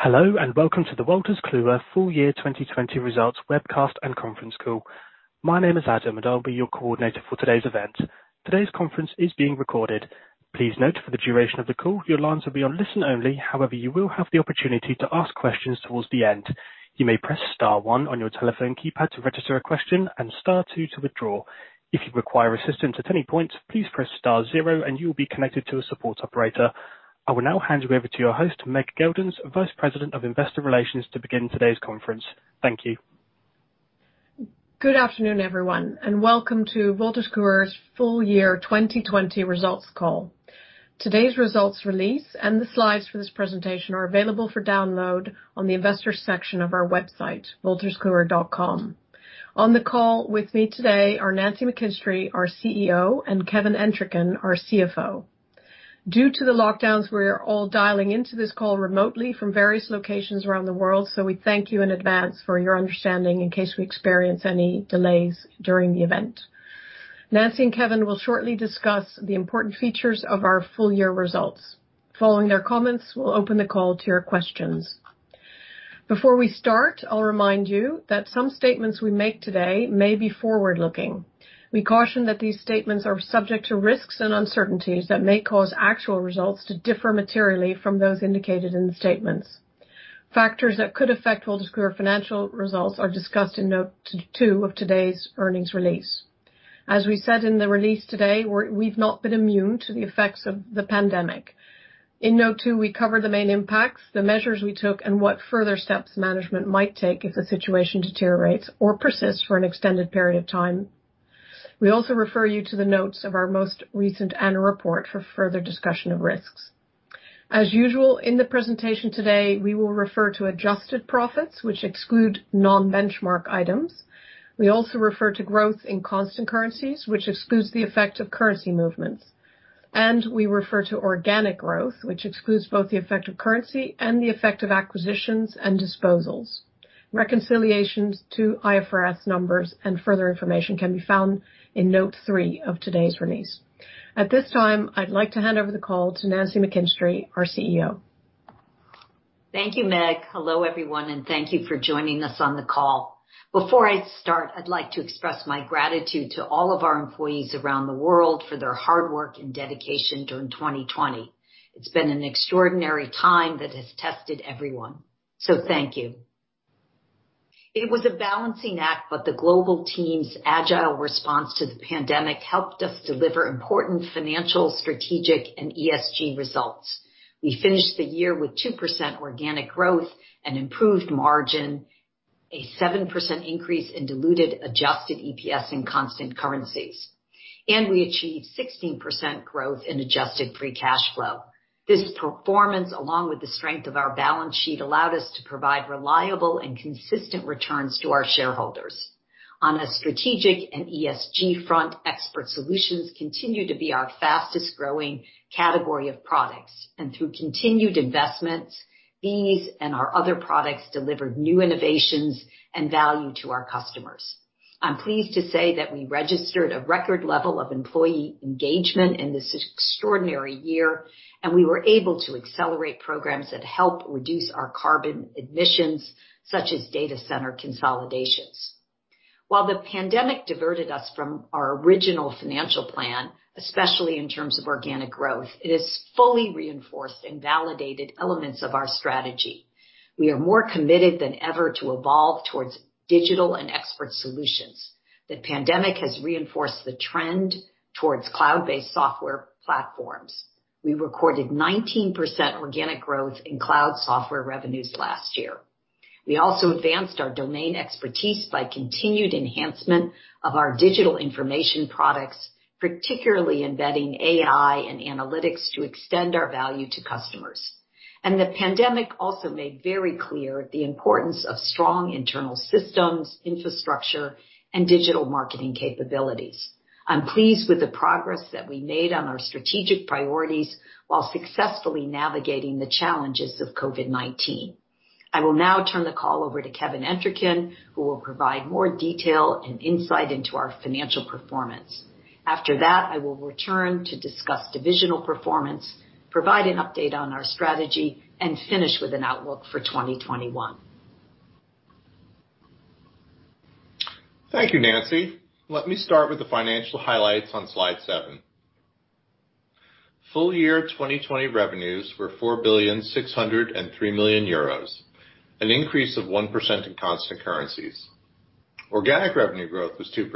Hello, and welcome to the Wolters Kluwer full year 2020 results webcast and conference call. My name is Adam, and I'll be your coordinator for today's event. Today's conference is being recorded. Please note for the duration of the call, your lines will be on listen only. However, you will have the opportunity to ask questions towards the end. You may press star one on your telephone keypad to register a question, and star two to withdraw. If you require assistance at any point, please press star zero and you will be connected to a support operator. I will now hand you over to your host, Meg Geldens, Vice President of Investor Relations, to begin today's conference. Thank you. Good afternoon, everyone, and welcome to Wolters Kluwer's full year 2020 results call. Today's results release and the slides for this presentation are available for download on the investor section of our website, wolterskluwer.com. On the call with me today are Nancy McKinstry, our CEO, and Kevin Entricken, our CFO. Due to the lockdowns, we're all dialing into this call remotely from various locations around the world. We thank you in advance for your understanding in case we experience any delays during the event. Nancy and Kevin will shortly discuss the important features of our full year results. Following their comments, we'll open the call to your questions. Before we start, I'll remind you that some statements we make today may be forward-looking. We caution that these statements are subject to risks and uncertainties that may cause actual results to differ materially from those indicated in the statements. Factors that could affect Wolters Kluwer financial results are discussed in note two of today's earnings release. As we said in the release today, we've not been immune to the effects of the pandemic. In note two, we cover the main impacts, the measures we took, and what further steps management might take if the situation deteriorates or persists for an extended period of time. We also refer you to the notes of our most recent annual report for further discussion of risks. As usual, in the presentation today, we will refer to adjusted profits, which exclude non-benchmark items. We also refer to growth in constant currencies, which excludes the effect of currency movements, and we refer to organic growth, which excludes both the effect of currency and the effect of acquisitions and disposals. Reconciliations to IFRS numbers and further information can be found in note three of today's release. At this time, I'd like to hand over the call to Nancy McKinstry, our CEO. Thank you, Meg. Hello, everyone, and thank you for joining us on the call. Before I start, I'd like to express my gratitude to all of our employees around the world for their hard work and dedication during 2020. It's been an extraordinary time that has tested everyone. Thank you. It was a balancing act, but the global team's agile response to the pandemic helped us deliver important financial strategic and ESG results. We finished the year with 2% organic growth and improved margin, a 7% increase in diluted adjusted EPS in constant currencies. I achieved 16% growth in adjusted free cash flow. This performance, along with the strength of our balance sheet, allowed us to provide reliable and consistent returns to our shareholders. On a strategic and ESG front, expert solutions continue to be our fastest-growing category of products. Through continued investments, these and our other products delivered new innovations and value to our customers. I'm pleased to say that we registered a record level of employee engagement in this extraordinary year, and we were able to accelerate programs that help reduce our carbon emissions, such as data center consolidations. While the pandemic diverted us from our original financial plan, especially in terms of organic growth, it has fully reinforced and validated elements of our strategy. We are more committed than ever to evolve towards digital and expert solutions. The pandemic has reinforced the trend towards cloud-based software platforms. We recorded 19% organic growth in cloud software revenues last year. We also advanced our domain expertise by continued enhancement of our digital information products, particularly embedding AI and analytics to extend our value to customers. The pandemic also made very clear the importance of strong internal systems, infrastructure, and digital marketing capabilities. I am pleased with the progress that we made on our strategic priorities while successfully navigating the challenges of COVID-19. I will now turn the call over to Kevin Entricken, who will provide more detail and insight into our financial performance. After that, I will return to discuss divisional performance, provide an update on our strategy, and finish with an outlook for 2021. Thank you, Nancy. Let me start with the financial highlights on slide seven. Full year 2020 revenues were 4,603 million euros, an increase of 1% in constant currencies. Organic revenue growth was 2%.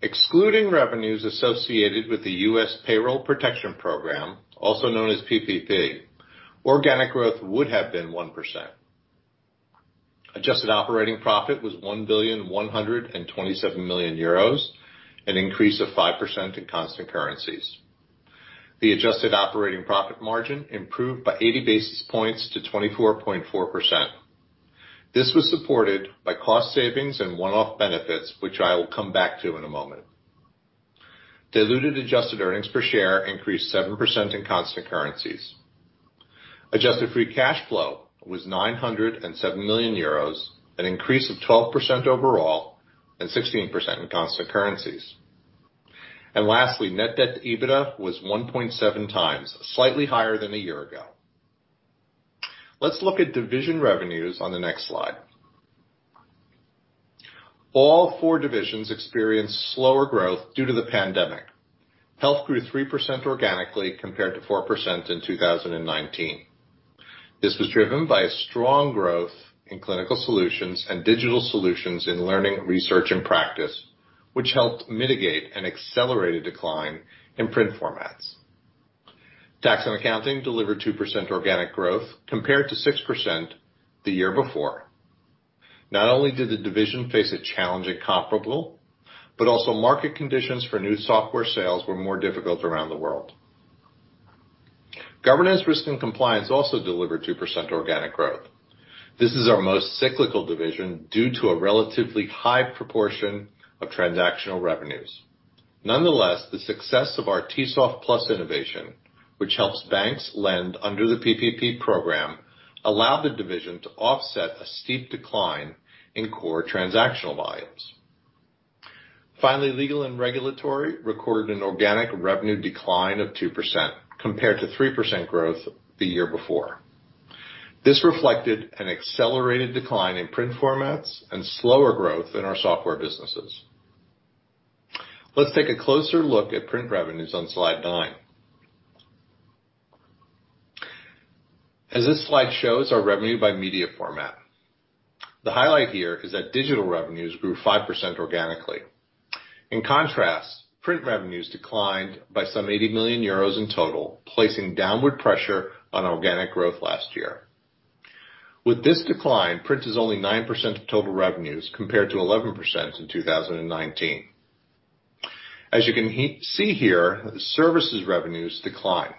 Excluding revenues associated with the U.S. Payroll Protection Program, also known as PPP, organic growth would have been 1%. Adjusted operating profit was 1,127 million euros, an increase of 5% in constant currencies. The adjusted operating profit margin improved by 80 basis points to 24.4%. This was supported by cost savings and one-off benefits, which I will come back to in a moment. Diluted adjusted earnings per share increased 7% in constant currencies. Adjusted free cash flow was 907 million euros, an increase of 12% overall and 16% in constant currencies. Lastly, net debt to EBITDA was 1.7x, slightly higher than a year ago. Let's look at division revenues on the next slide. All four divisions experienced slower growth due to the pandemic. Health grew 3% organically compared to 4% in 2019. This was driven by a strong growth in clinical solutions and digital solutions in learning, research, and practice, which helped mitigate an accelerated decline in print formats. Tax & Accounting delivered 2% organic growth compared to 6% the year before. Not only did the division face a challenging comparable, but also market conditions for new software sales were more difficult around the world. Governance, Risk & Compliance also delivered 2% organic growth. This is our most cyclical division due to a relatively high proportion of transactional revenues. Nonetheless, the success of our TSoftPlus innovation, which helps banks lend under the PPP program, allowed the division to offset a steep decline in core transactional volumes. Finally, Legal & Regulatory recorded an organic revenue decline of 2%, compared to 3% growth the year before. This reflected an accelerated decline in print formats and slower growth in our software businesses. Let's take a closer look at print revenues on slide nine. As this slide shows our revenue by media format. The highlight here is that digital revenues grew 5% organically. In contrast, print revenues declined by some 80 million euros in total, placing downward pressure on organic growth last year. With this decline, print is only 9% of total revenues compared to 11% in 2019. As you can see here, the services revenues decline.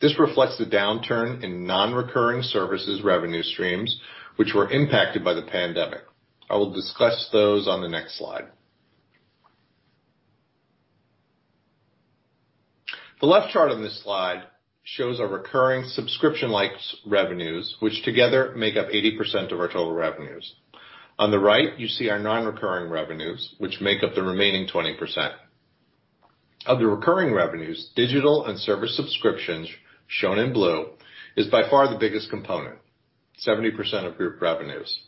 This reflects the downturn in non-recurring services revenue streams, which were impacted by the pandemic. I will discuss those on the next slide. The left chart on this slide shows our recurring subscription-like revenues, which together make up 80% of our total revenues. On the right, you see our non-recurring revenues, which make up the remaining 20%. Of the recurring revenues, digital and service subscriptions, shown in blue, is by far the biggest component, 70% of group revenues.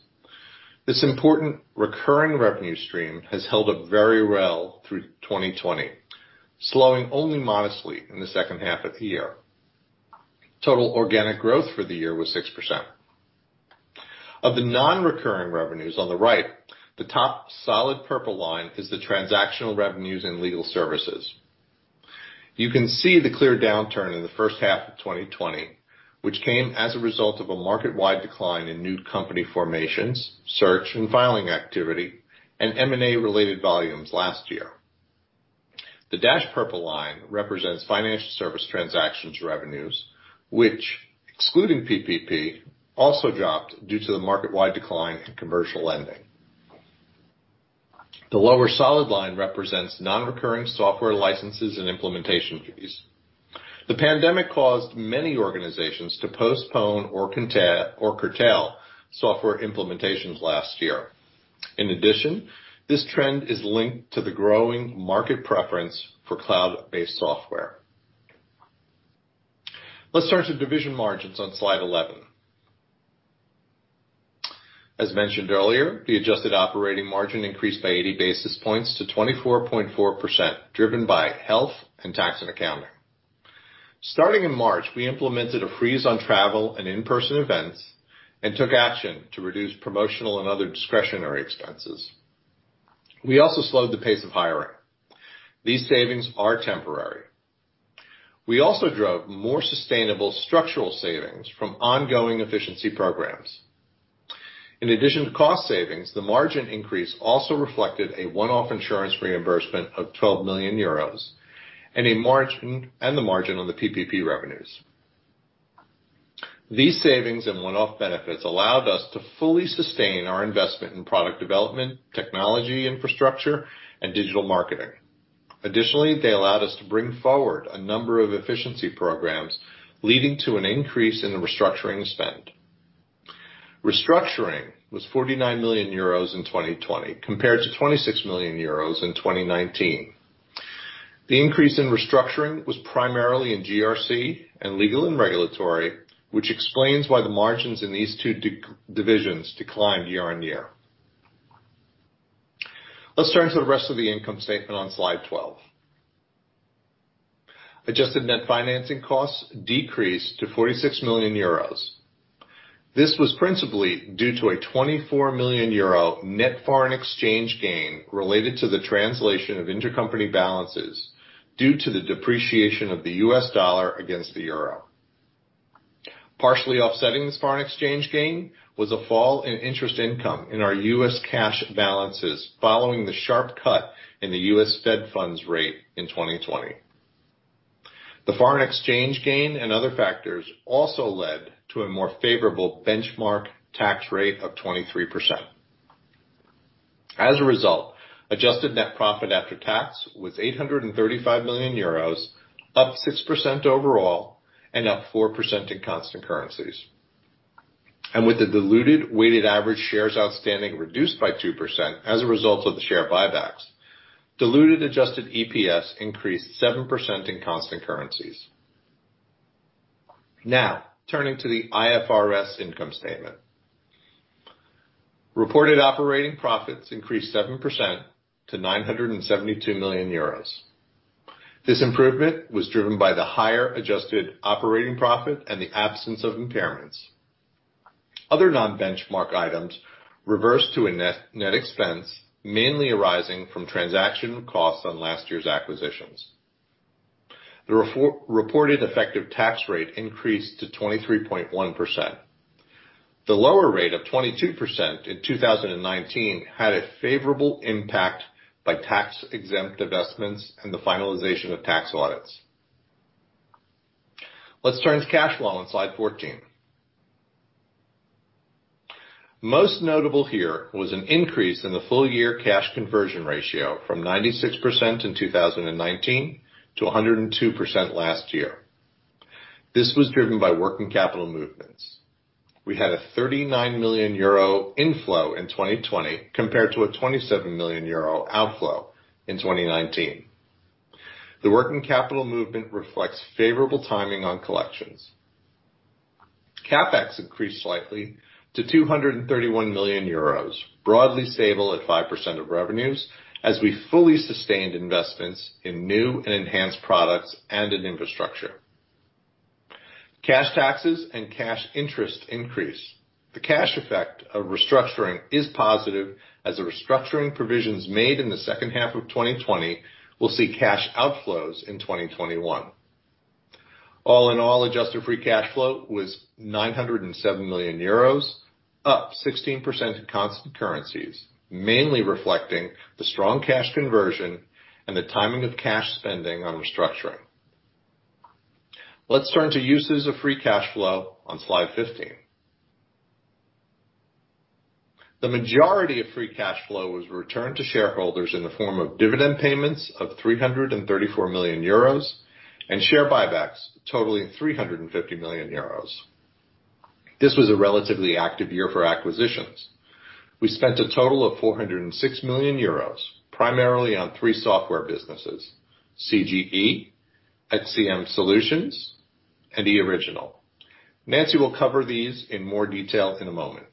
This important recurring revenue stream has held up very well through 2020, slowing only modestly in the second half of the year. Total organic growth for the year was 6%. Of the non-recurring revenues on the right, the top solid purple line is the transactional revenues and legal services. You can see the clear downturn in the first half of 2020, which came as a result of a market-wide decline in new company formations, search, and filing activity, and M&A-related volumes last year. The dashed purple line represents financial service transactions revenues, which excluding PPP, also dropped due to the market-wide decline in commercial lending. The lower solid line represents non-recurring software licenses and implementation fees. The pandemic caused many organizations to postpone or curtail software implementations last year. In addition, this trend is linked to the growing market preference for cloud-based software. Let's turn to division margins on slide 11. As mentioned earlier, the adjusted operating margin increased by 80 basis points to 24.4%, driven by Health and Tax & Accounting. Starting in March, we implemented a freeze on travel and in-person events and took action to reduce promotional and other discretionary expenses. We also slowed the pace of hiring. These savings are temporary. We also drove more sustainable structural savings from ongoing efficiency programs. In addition to cost savings, the margin increase also reflected a one-off insurance reimbursement of 12 million euros and the margin on the PPP revenues. These savings and one-off benefits allowed us to fully sustain our investment in product development, technology infrastructure, and digital marketing. Additionally, they allowed us to bring forward a number of efficiency programs, leading to an increase in the restructuring spend. Restructuring was 49 million euros in 2020 compared to 26 million euros in 2019. The increase in restructuring was primarily in GRC and Legal & Regulatory, which explains why the margins in these two divisions declined year-on-year. Let's turn to the rest of the income statement on slide 12. Adjusted net financing costs decreased to 46 million euros. This was principally due to a 24 million euro net foreign exchange gain related to the translation of intercompany balances due to the depreciation of the U.S. dollar against the euro. Partially offsetting this foreign exchange gain was a fall in interest income in our U.S. cash balances following the sharp cut in the U.S. Fed funds rate in 2020. The foreign exchange gain and other factors also led to a more favorable benchmark tax rate of 23%. As a result, adjusted net profit after tax was 835 million euros, up 6% overall and up 4% in constant currencies. With the diluted weighted average shares outstanding reduced by 2% as a result of the share buybacks, diluted adjusted EPS increased 7% in constant currencies. Now, turning to the IFRS income statement. Reported operating profits increased 7% to 972 million euros. This improvement was driven by the higher adjusted operating profit and the absence of impairments. Other non-benchmark items reversed to a net expense, mainly arising from transaction costs on last year's acquisitions. The reported effective tax rate increased to 23.1%. The lower rate of 22% in 2019 had a favorable impact by tax-exempt investments and the finalization of tax audits. Let's turn to cash flow on slide 14. Most notable here was an increase in the full-year cash conversion ratio from 96% in 2019 to 102% last year. This was driven by working capital movements. We had a 39 million euro inflow in 2020 compared to a 27 million euro outflow in 2019. The working capital movement reflects favorable timing on collections. CapEx increased slightly to 231 million euros, broadly stable at 5% of revenues as we fully sustained investments in new and enhanced products and in infrastructure. Cash taxes and cash interest increase. The cash effect of restructuring is positive, as the restructuring provisions made in the second half of 2020 will see cash outflows in 2021. All in all, adjusted free cash flow was 907 million euros, up 16% in constant currencies, mainly reflecting the strong cash conversion and the timing of cash spending on restructuring. Let's turn to uses of free cash flow on slide 15. The majority of free cash flow was returned to shareholders in the form of dividend payments of 334 million euros and share buybacks totaling 350 million euros. This was a relatively active year for acquisitions. We spent a total of 406 million euros, primarily on three software businesses, CGE, XCM Solutions, and eOriginal. Nancy will cover these in more detail in a moment.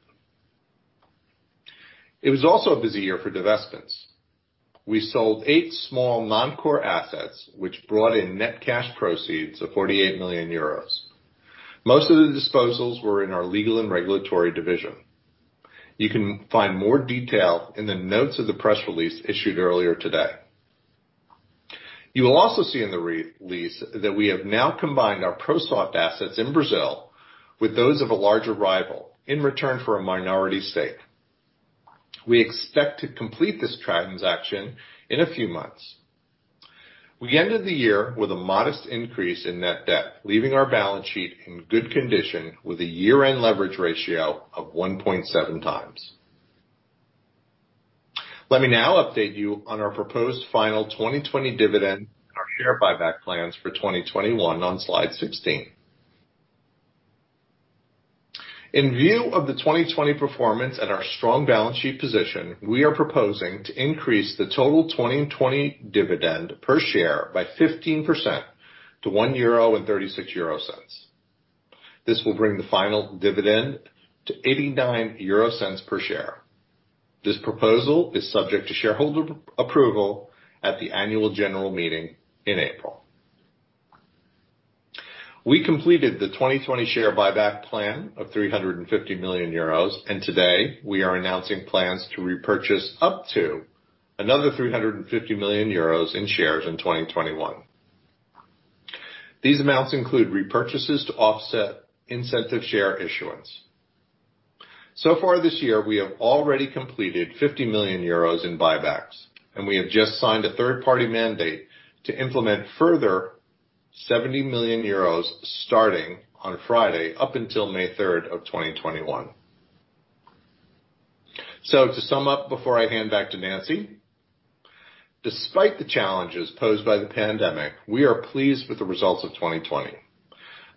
It was also a busy year for divestments. We sold eight small non-core assets, which brought in net cash proceeds of 48 million euros. Most of the disposals were in our Legal & Regulatory division. You can find more detail in the notes of the press release issued earlier today. You will also see in the release that we have now combined our Prosoft assets in Brazil with those of a larger rival in return for a minority stake. We expect to complete this transaction in a few months. We ended the year with a modest increase in net debt, leaving our balance sheet in good condition with a year-end leverage ratio of 1.7x. Let me now update you on our proposed final 2020 dividend and our share buyback plans for 2021 on slide 16. In view of the 2020 performance and our strong balance sheet position, we are proposing to increase the total 2020 dividend per share by 15% to 1.36 euro. This will bring the final dividend to 0.89 per share. This proposal is subject to shareholder approval at the annual general meeting in April. We completed the 2020 share buyback plan of 350 million euros. Today we are announcing plans to repurchase up to another 350 million euros in shares in 2021. These amounts include repurchases to offset incentive share issuance. Far this year, we have already completed 50 million euros in buybacks. We have just signed a third-party mandate to implement further 70 million euros starting on Friday, up until May 3rd of 2021. To sum up, before I hand back to Nancy, despite the challenges posed by the pandemic, we are pleased with the results of 2020.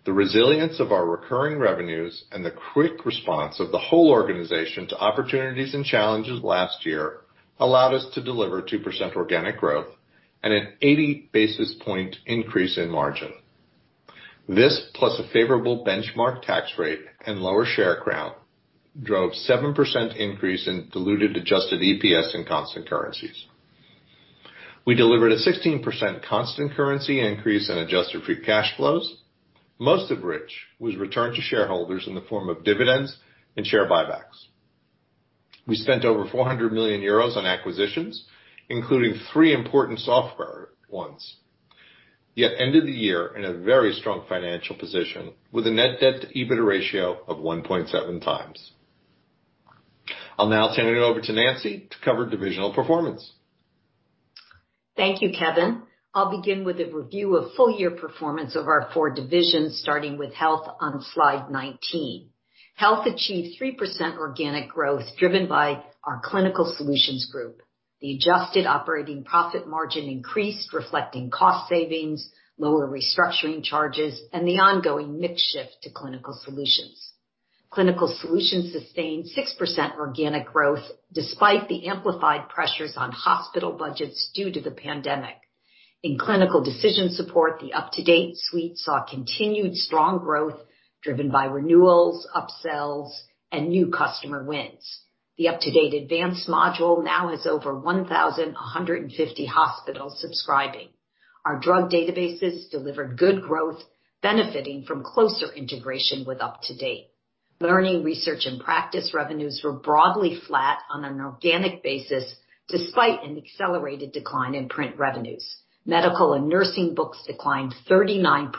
The resilience of our recurring revenues and the quick response of the whole organization to opportunities and challenges last year allowed us to deliver 2% organic growth and an 80 basis point increase in margin. This, plus a favorable benchmark tax rate and lower share count, drove 7% increase in diluted adjusted EPS in constant currencies. We delivered a 16% constant currency increase in adjusted free cash flows, most of which was returned to shareholders in the form of dividends and share buybacks. We spent over 400 million euros on acquisitions, including three important software ones, yet ended the year in a very strong financial position with a net debt to EBITDA ratio of 1.7x. I'll now turn it over to Nancy to cover divisional performance. Thank you, Kevin. I'll begin with a review of full-year performance of our four divisions, starting with Health on slide 19. Health achieved 3% organic growth driven by our Clinical Solutions group. The adjusted operating profit margin increased, reflecting cost savings, lower restructuring charges, and the ongoing mix shift to Clinical Solutions. Clinical Solutions sustained 6% organic growth despite the amplified pressures on hospital budgets due to the pandemic. In clinical decision support, the UpToDate suite saw continued strong growth, driven by renewals, up-sells, and new customer wins. The UpToDate Advanced module now has over 1,150 hospitals subscribing. Our drug databases delivered good growth, benefiting from closer integration with UpToDate. Learning, Research, and Practice revenues were broadly flat on an organic basis, despite an accelerated decline in print revenues. Medical and nursing books declined 39%,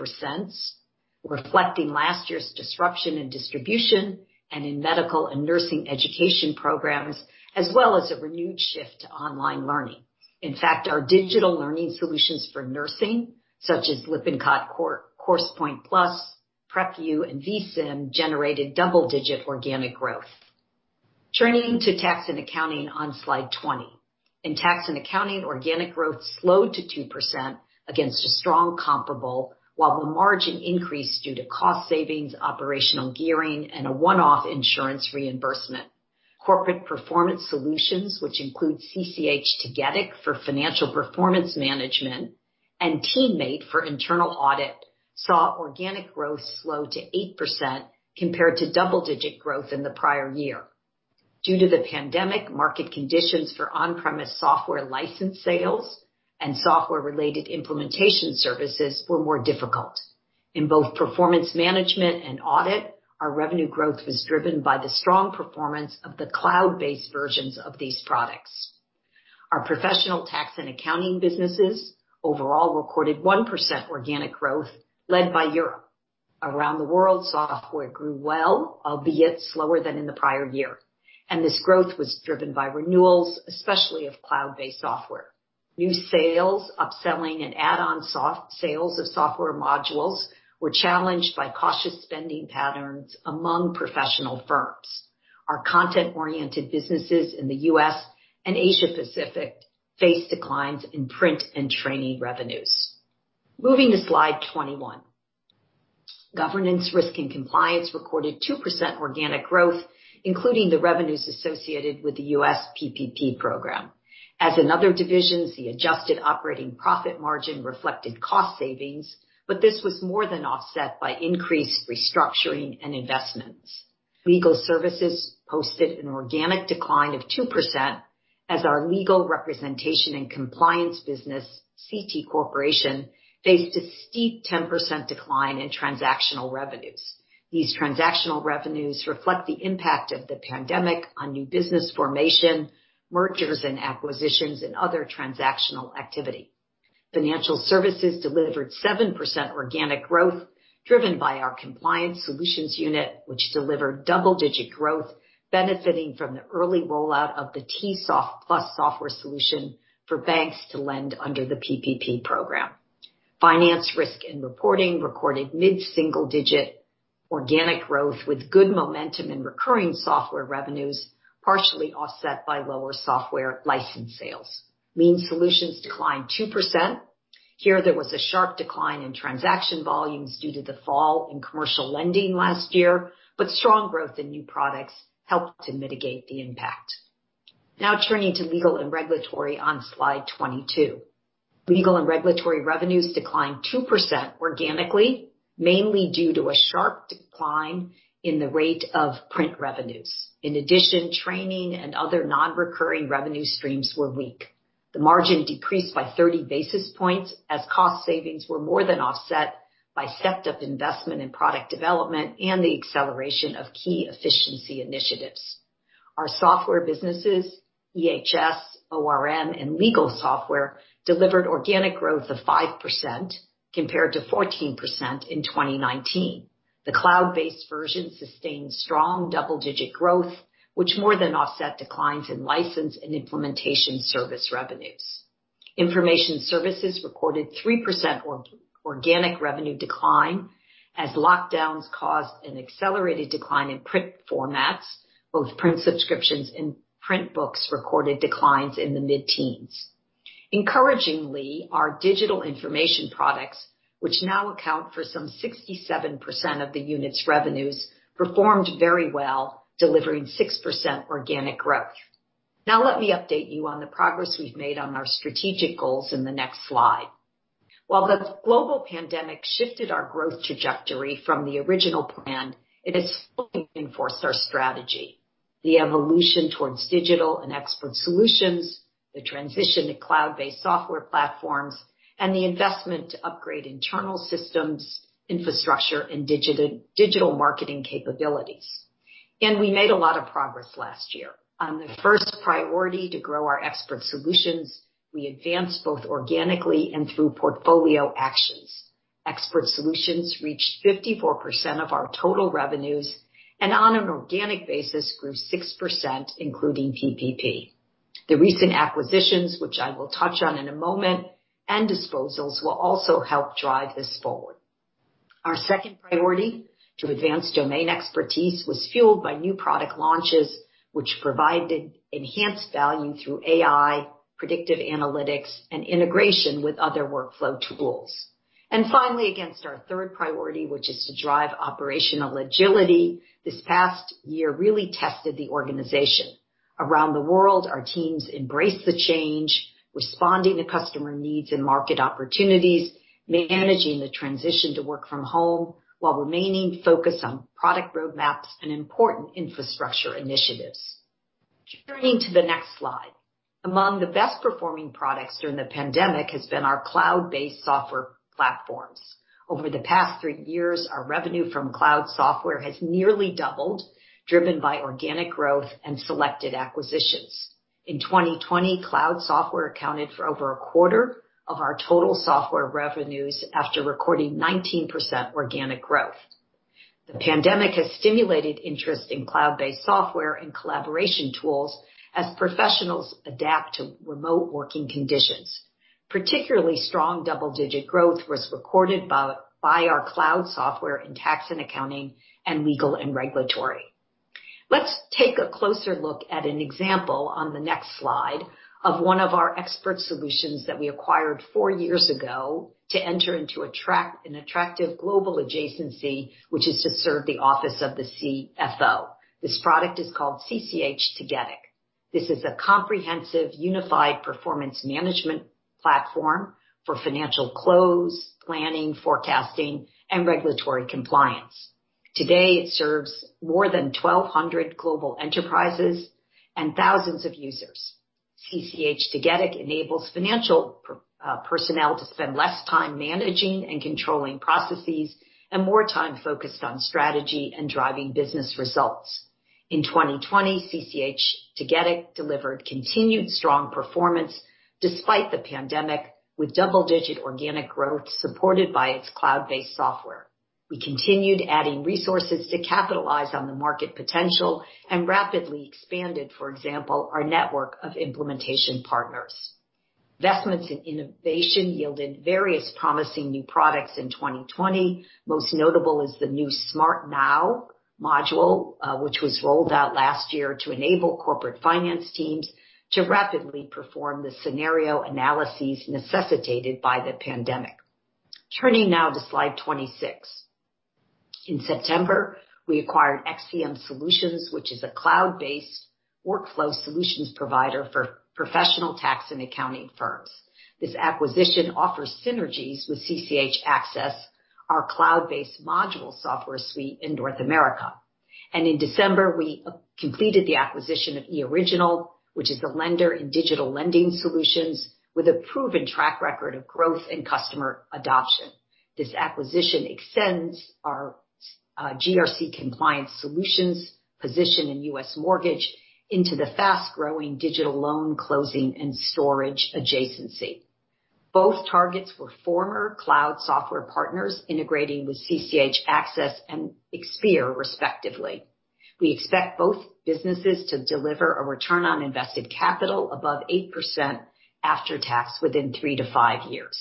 reflecting last year's disruption in distribution and in medical and nursing education programs, as well as a renewed shift to online learning. In fact, our digital learning solutions for nursing, such as Lippincott CoursePoint+, PrepU, and vSim, generated double-digit organic growth. Turning to Tax & Accounting on slide 20. In Tax & Accounting, organic growth slowed to 2% against a strong comparable, while the margin increased due to cost savings, operational gearing, and a one-off insurance reimbursement. Corporate Performance Solutions, which include CCH Tagetik for financial performance management and TeamMate for internal audit, saw organic growth slow to 8% compared to double-digit growth in the prior year. Due to the pandemic, market conditions for on-premise software license sales and software-related implementation services were more difficult. In both performance management and audit, our revenue growth was driven by the strong performance of the cloud-based versions of these products. Our professional Tax & Accounting businesses overall recorded 1% organic growth, led by Europe. Around the world, software grew well, albeit slower than in the prior year, and this growth was driven by renewals, especially of cloud-based software. New sales, upselling, and add-on sales of software modules were challenged by cautious spending patterns among professional firms. Our content-oriented businesses in the U.S. and Asia-Pacific faced declines in print and training revenues. Moving to slide 21. Governance, Risk & Compliance recorded 2% organic growth, including the revenues associated with the U.S. PPP program. As in other divisions, the adjusted operating profit margin reflected cost savings, but this was more than offset by increased restructuring and investments. Legal services posted an organic decline of 2% as our legal representation and compliance business, CT Corporation, faced a steep 10% decline in transactional revenues. These transactional revenues reflect the impact of the pandemic on new business formation, mergers and acquisitions, and other transactional activity. Financial services delivered 7% organic growth, driven by our compliance solutions unit, which delivered double-digit growth benefiting from the early rollout of the TSoftPlus software solution for banks to lend under the PPP program. Finance, Risk & Reporting recorded mid-single-digit organic growth with good momentum in recurring software revenues, partially offset by lower software license sales. Lien Solutions declined 2%. Here there was a sharp decline in transaction volumes due to the fall in commercial lending last year, but strong growth in new products helped to mitigate the impact. Now turning to Legal & Regulatory on slide 22. Legal & Regulatory revenues declined 2% organically, mainly due to a sharp decline in the rate of print revenues. In addition, training and other non-recurring revenue streams were weak. The margin decreased by 30 basis points as cost savings were more than offset by stepped-up investment in product development and the acceleration of key efficiency initiatives. Our software businesses, EHS, ORM, and legal software, delivered organic growth of 5% compared to 14% in 2019. The cloud-based version sustained strong double-digit growth, which more than offset declines in license and implementation service revenues. Information services recorded 3% organic revenue decline as lockdowns caused an accelerated decline in print formats. Both print subscriptions and print books recorded declines in the mid-teens. Encouragingly, our digital information products, which now account for some 67% of the unit's revenues, performed very well, delivering 6% organic growth. Let me update you on the progress we've made on our strategic goals in the next slide. While the global pandemic shifted our growth trajectory from the original plan, it has enforced our strategy, the evolution towards digital and expert solutions, the transition to cloud-based software platforms, and the investment to upgrade internal systems, infrastructure, and digital marketing capabilities. We made a lot of progress last year. On the first priority to grow our expert solutions, we advanced both organically and through portfolio actions. Expert solutions reached 54% of our total revenues, and on an organic basis, grew 6%, including PPP. The recent acquisitions, which I will touch on in a moment, and disposals, will also help drive this forward. Our second priority, to advance domain expertise, was fueled by new product launches, which provided enhanced value through AI, predictive analytics, and integration with other workflow tools. Finally, against our third priority, which is to drive operational agility, this past year really tested the organization. Around the world, our teams embraced the change, responding to customer needs and market opportunities, managing the transition to work from home, while remaining focused on product roadmaps and important infrastructure initiatives. Turning to the next slide. Among the best-performing products during the pandemic has been our cloud-based software platforms. Over the past three years, our revenue from cloud software has nearly doubled, driven by organic growth and selected acquisitions. In 2020, cloud software accounted for over a quarter of our total software revenues after recording 19% organic growth. The pandemic has stimulated interest in cloud-based software and collaboration tools as professionals adapt to remote working conditions. Particularly strong double-digit growth was recorded by our cloud software in Tax & Accounting, and Legal & Regulatory. Let's take a closer look at an example on the next slide of one of our expert solutions that we acquired four years ago to enter into an attractive global adjacency, which is to serve the office of the CFO. This product is called CCH Tagetik. This is a comprehensive, unified performance management platform for financial close, planning, forecasting, and regulatory compliance. Today, it serves more than 1,200 global enterprises and thousands of users. CCH Tagetik enables financial personnel to spend less time managing and controlling processes and more time focused on strategy and driving business results. In 2020, CCH Tagetik delivered continued strong performance despite the pandemic, with double-digit organic growth supported by its cloud-based software. We continued adding resources to capitalize on the market potential and rapidly expanded, for example, our network of implementation partners. Investments in innovation yielded various promising new products in 2020. Most notable is the new Smart NOW module, which was rolled out last year to enable corporate finance teams to rapidly perform the scenario analyses necessitated by the pandemic. Turning now to slide 26. In September, we acquired XCM Solutions, which is a cloud-based workflow solutions provider for professional Tax & Accounting firms. This acquisition offers synergies with CCH Axcess, our cloud-based module software suite in North America. In December, we completed the acquisition of eOriginal, which is a leader in digital lending solutions with a proven track record of growth and customer adoption. This acquisition extends our GRC compliance solutions position in U.S. mortgage into the fast-growing digital loan closing and storage adjacency. Both targets were former cloud software partners integrating with CCH Axcess and Expere, respectively. We expect both businesses to deliver a return on invested capital above 8% after tax within three to five years.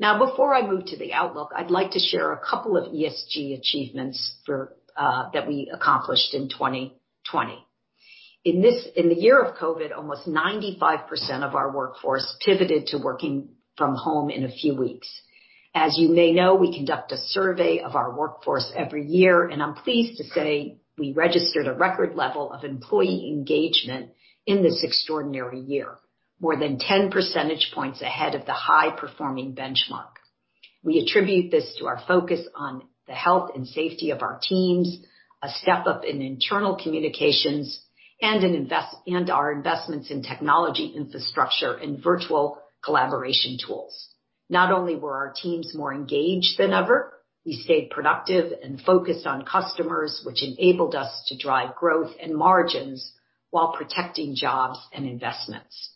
Now, before I move to the outlook, I'd like to share a couple of ESG achievements that we accomplished in 2020. In the year of COVID, almost 95% of our workforce pivoted to working from home in a few weeks. As you may know, we conduct a survey of our workforce every year, and I'm pleased to say we registered a record level of employee engagement in this extraordinary year, more than 10 percentage points ahead of the high-performing benchmark. We attribute this to our focus on the health and safety of our teams, a step up in internal communications, and our investments in technology infrastructure and virtual collaboration tools. Not only were our teams more engaged than ever, we stayed productive and focused on customers, which enabled us to drive growth and margins while protecting jobs and investments.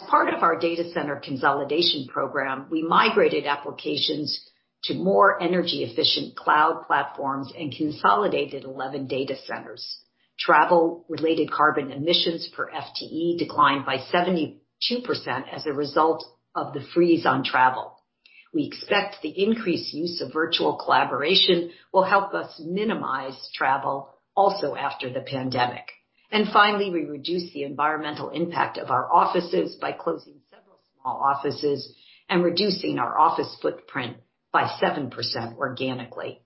As part of our data center consolidation program, we migrated applications to more energy-efficient cloud platforms and consolidated 11 data centers. Travel-related carbon emissions per FTE declined by 72% as a result of the freeze on travel. We expect the increased use of virtual collaboration will help us minimize travel also after the pandemic. Finally, we reduced the environmental impact of our offices by closing several small offices and reducing our office footprint by 7% organically.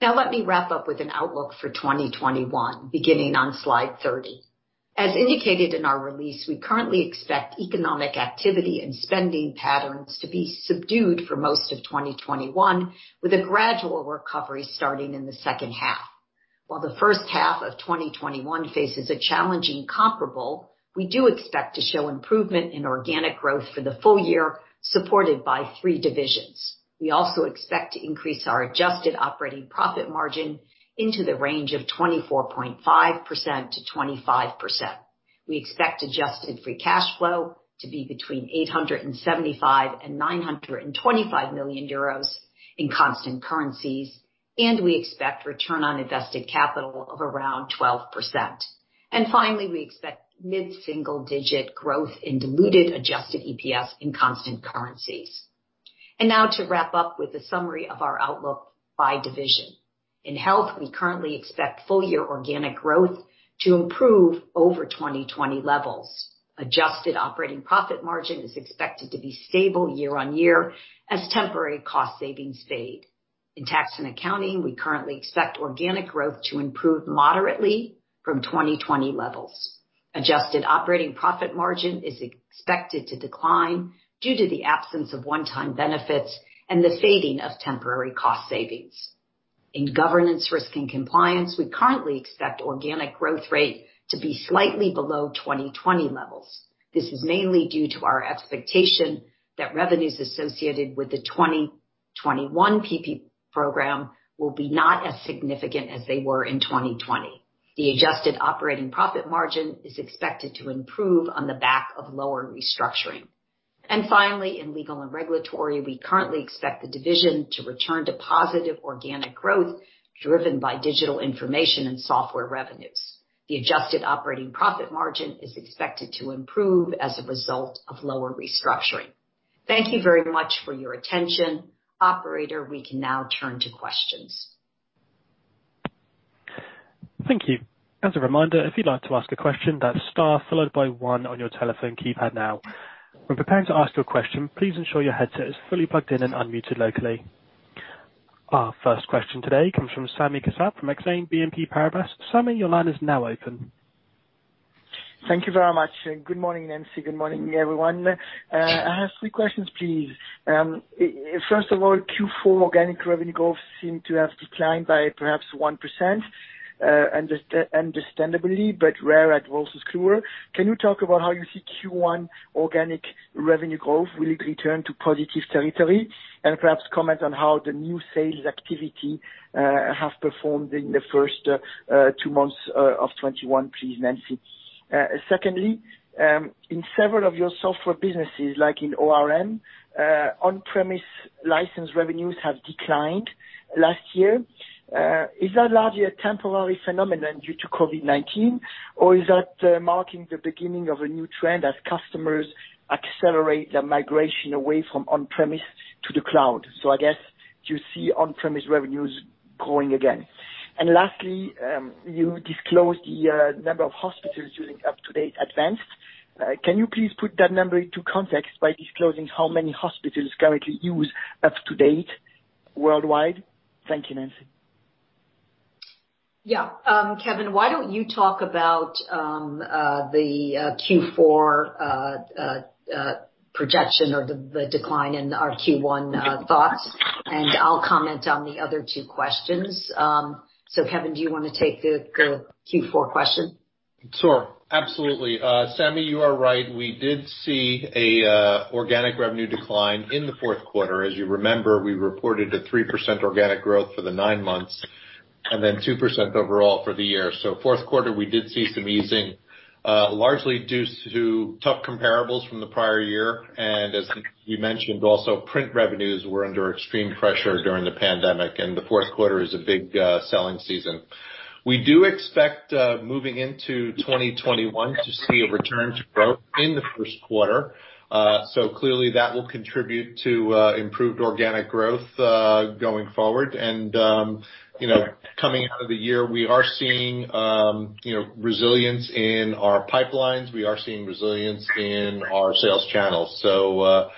Now let me wrap up with an outlook for 2021, beginning on slide 30. As indicated in our release, we currently expect economic activity and spending patterns to be subdued for most of 2021, with a gradual recovery starting in the second half. While the first half of 2021 faces a challenging comparable, we do expect to show improvement in organic growth for the full year, supported by three divisions. We also expect to increase our adjusted operating profit margin into the range of 24.5%-25%. We expect adjusted free cash flow to be between 875 million and 925 million euros in constant currencies, and we expect return on invested capital of around 12%. Finally, we expect mid-single-digit growth in diluted adjusted EPS in constant currencies. Now to wrap up with a summary of our outlook by division. In Health, we currently expect full-year organic growth to improve over 2020 levels. Adjusted operating profit margin is expected to be stable year on year as temporary cost savings fade. In Tax & Accounting, we currently expect organic growth to improve moderately from 2020 levels. Adjusted operating profit margin is expected to decline due to the absence of one-time benefits and the fading of temporary cost savings. In Governance, Risk & Compliance, we currently expect organic growth rate to be slightly below 2020 levels. This is mainly due to our expectation that revenues associated with the 2021 PPP program will be not as significant as they were in 2020. The adjusted operating profit margin is expected to improve on the back of lower restructuring. Finally, in Legal & Regulatory, we currently expect the division to return to positive organic growth, driven by digital information and software revenues. The adjusted operating profit margin is expected to improve as a result of lower restructuring. Thank you very much for your attention. Operator, we can now turn to questions. Thank you. As a reminder, if you'd like to ask a question, dial star followed by one on your telephone keypad now. When preparing to ask your question, please ensure your headset is fully plugged in and unmuted locally. Our first question today comes from Sami Kassab from Exane BNP Paribas. Sami, your line is now open. Thank you very much. Good morning, Nancy. Good morning, everyone. I have three questions, please. First of all, Q4 organic revenue growth seemed to have declined by perhaps 1%, understandably, but rare at Wolters Kluwer. Can you talk about how you see Q1 organic revenue growth? Will it return to positive territory? Perhaps comment on how the new sales activity have performed in the first two months of 2021, please, Nancy. Secondly, in several of your software businesses, like in ORM, on-premise license revenues have declined last year. Is that largely a temporary phenomenon due to COVID-19, or is that marking the beginning of a new trend as customers accelerate their migration away from on-premise to the cloud? I guess, do you see on-premise revenues growing again? Lastly, you disclosed the number of hospitals using UpToDate Advanced. Can you please put that number into context by disclosing how many hospitals currently use UpToDate worldwide? Thank you, Nancy. Yeah. Kevin, why don't you talk about the Q4 projection or the decline in our Q1 thoughts, and I'll comment on the other two questions. Kevin, do you want to take the Q4 question? Sure. Absolutely. Sami, you are right. We did see an organic revenue decline in the fourth quarter. As you remember, we reported a 3% organic growth for the nine months, and then 2% overall for the year. Fourth quarter, we did see some easing, largely due to tough comparables from the prior year. As you mentioned, also, print revenues were under extreme pressure during the pandemic, and the fourth quarter is a big selling season. We do expect, moving into 2021, to see a return to growth in the first quarter. Clearly that will contribute to improved organic growth going forward. Coming out of the year, we are seeing resilience in our pipelines. We are seeing resilience in our sales channels. That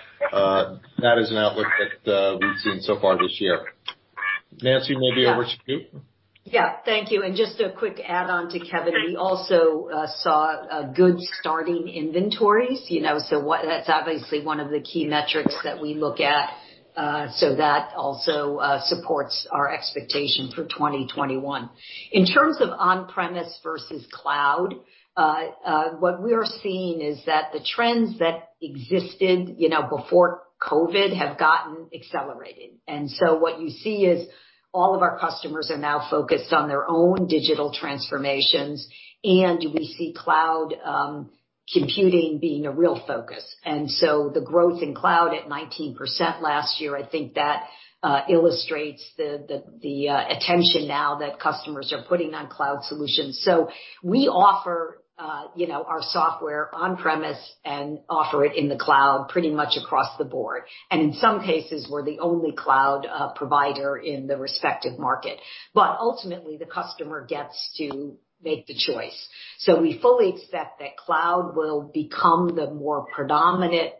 is an outlook that we've seen so far this year. Nancy, maybe over to you. Yeah. Thank you. Just a quick add-on to Kevin. We also saw good starting inventories. That's obviously one of the key metrics that we look at. That also supports our expectation for 2021. In terms of on-premise versus cloud, what we are seeing is that the trends that existed before COVID have gotten accelerated. What you see is all of our customers are now focused on their own digital transformations, and we see cloud computing being a real focus. The growth in cloud at 19% last year, I think that illustrates the attention now that customers are putting on cloud solutions. We offer our software on-premise and offer it in the cloud pretty much across the board. In some cases, we're the only cloud provider in the respective market. Ultimately, the customer gets to make the choice. We fully expect that cloud will become the more predominant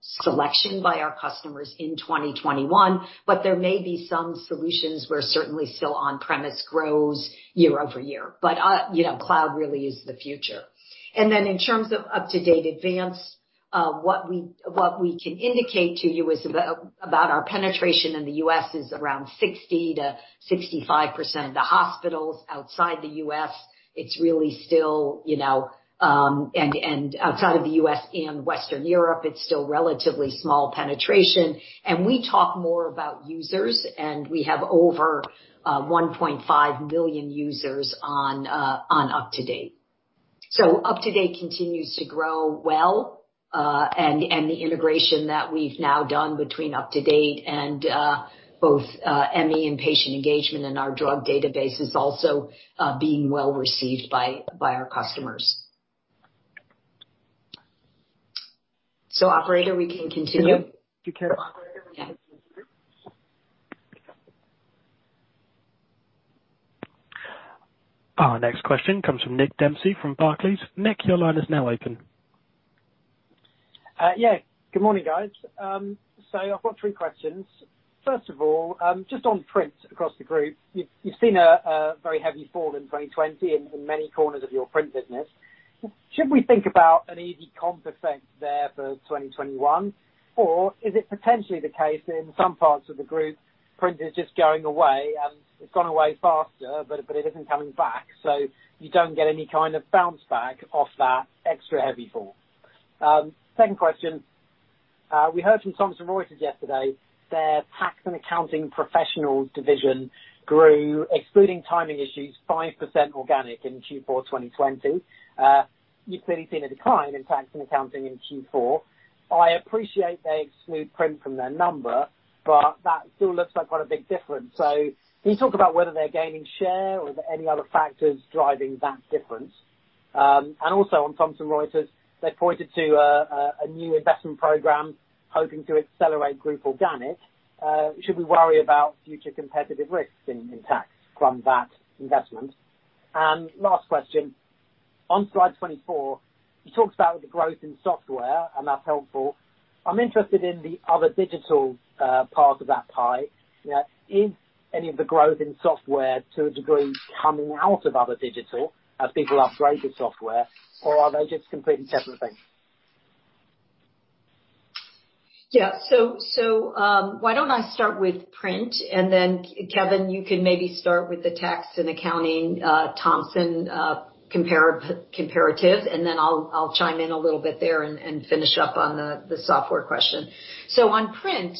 selection by our customers in 2021, but there may be some solutions where certainly still on-premise grows year-over-year. Cloud really is the future. In terms of UpToDate Advanced, what we can indicate to you is about our penetration in the U.S. is around 60%-65% of the hospitals. Outside the U.S. and Western Europe, it's still relatively small penetration. We talk more about users, and we have over 1.5 million users on UpToDate. UpToDate continues to grow well, and the integration that we've now done between UpToDate and both Medi-Span and patient engagement and our drug database is also being well received by our customers. Operator, we can continue. You can. Yeah. Our next question comes from Nick Dempsey from Barclays. Nick, your line is now open. Yeah. Good morning, guys. I've got three questions. First of all, just on print across the group, you've seen a very heavy fall in 2020 in many corners of your print business. Should we think about an easy comp effect there for 2021? Or is it potentially the case that in some parts of the group, print is just going away, and it's gone away faster, but it isn't coming back, so you don't get any kind of bounce back off that extra heavy fall? Second question. We heard from Thomson Reuters yesterday, their Tax & Accounting professional division grew, excluding timing issues, 5% organic in Q4 2020. You've clearly seen a decline in Tax & Accounting in Q4. I appreciate they exclude print from their number, but that still looks like quite a big difference. Can you talk about whether they're gaining share or are there any other factors driving that difference? On Thomson Reuters, they pointed to a new investment program hoping to accelerate group organic. Should we worry about future competitive risks in tax from that investment? Last question, on slide 24, you talked about the growth in software, and that's helpful. I'm interested in the other digital part of that pie. Is any of the growth in software to a degree coming out of other digital as people upgrade the software or are they just completely separate things? Yeah. Why don't I start with print. Kevin, you can maybe start with the Tax & Accounting Thomson comparative. I'll chime in a little bit there and finish up on the software question. On print,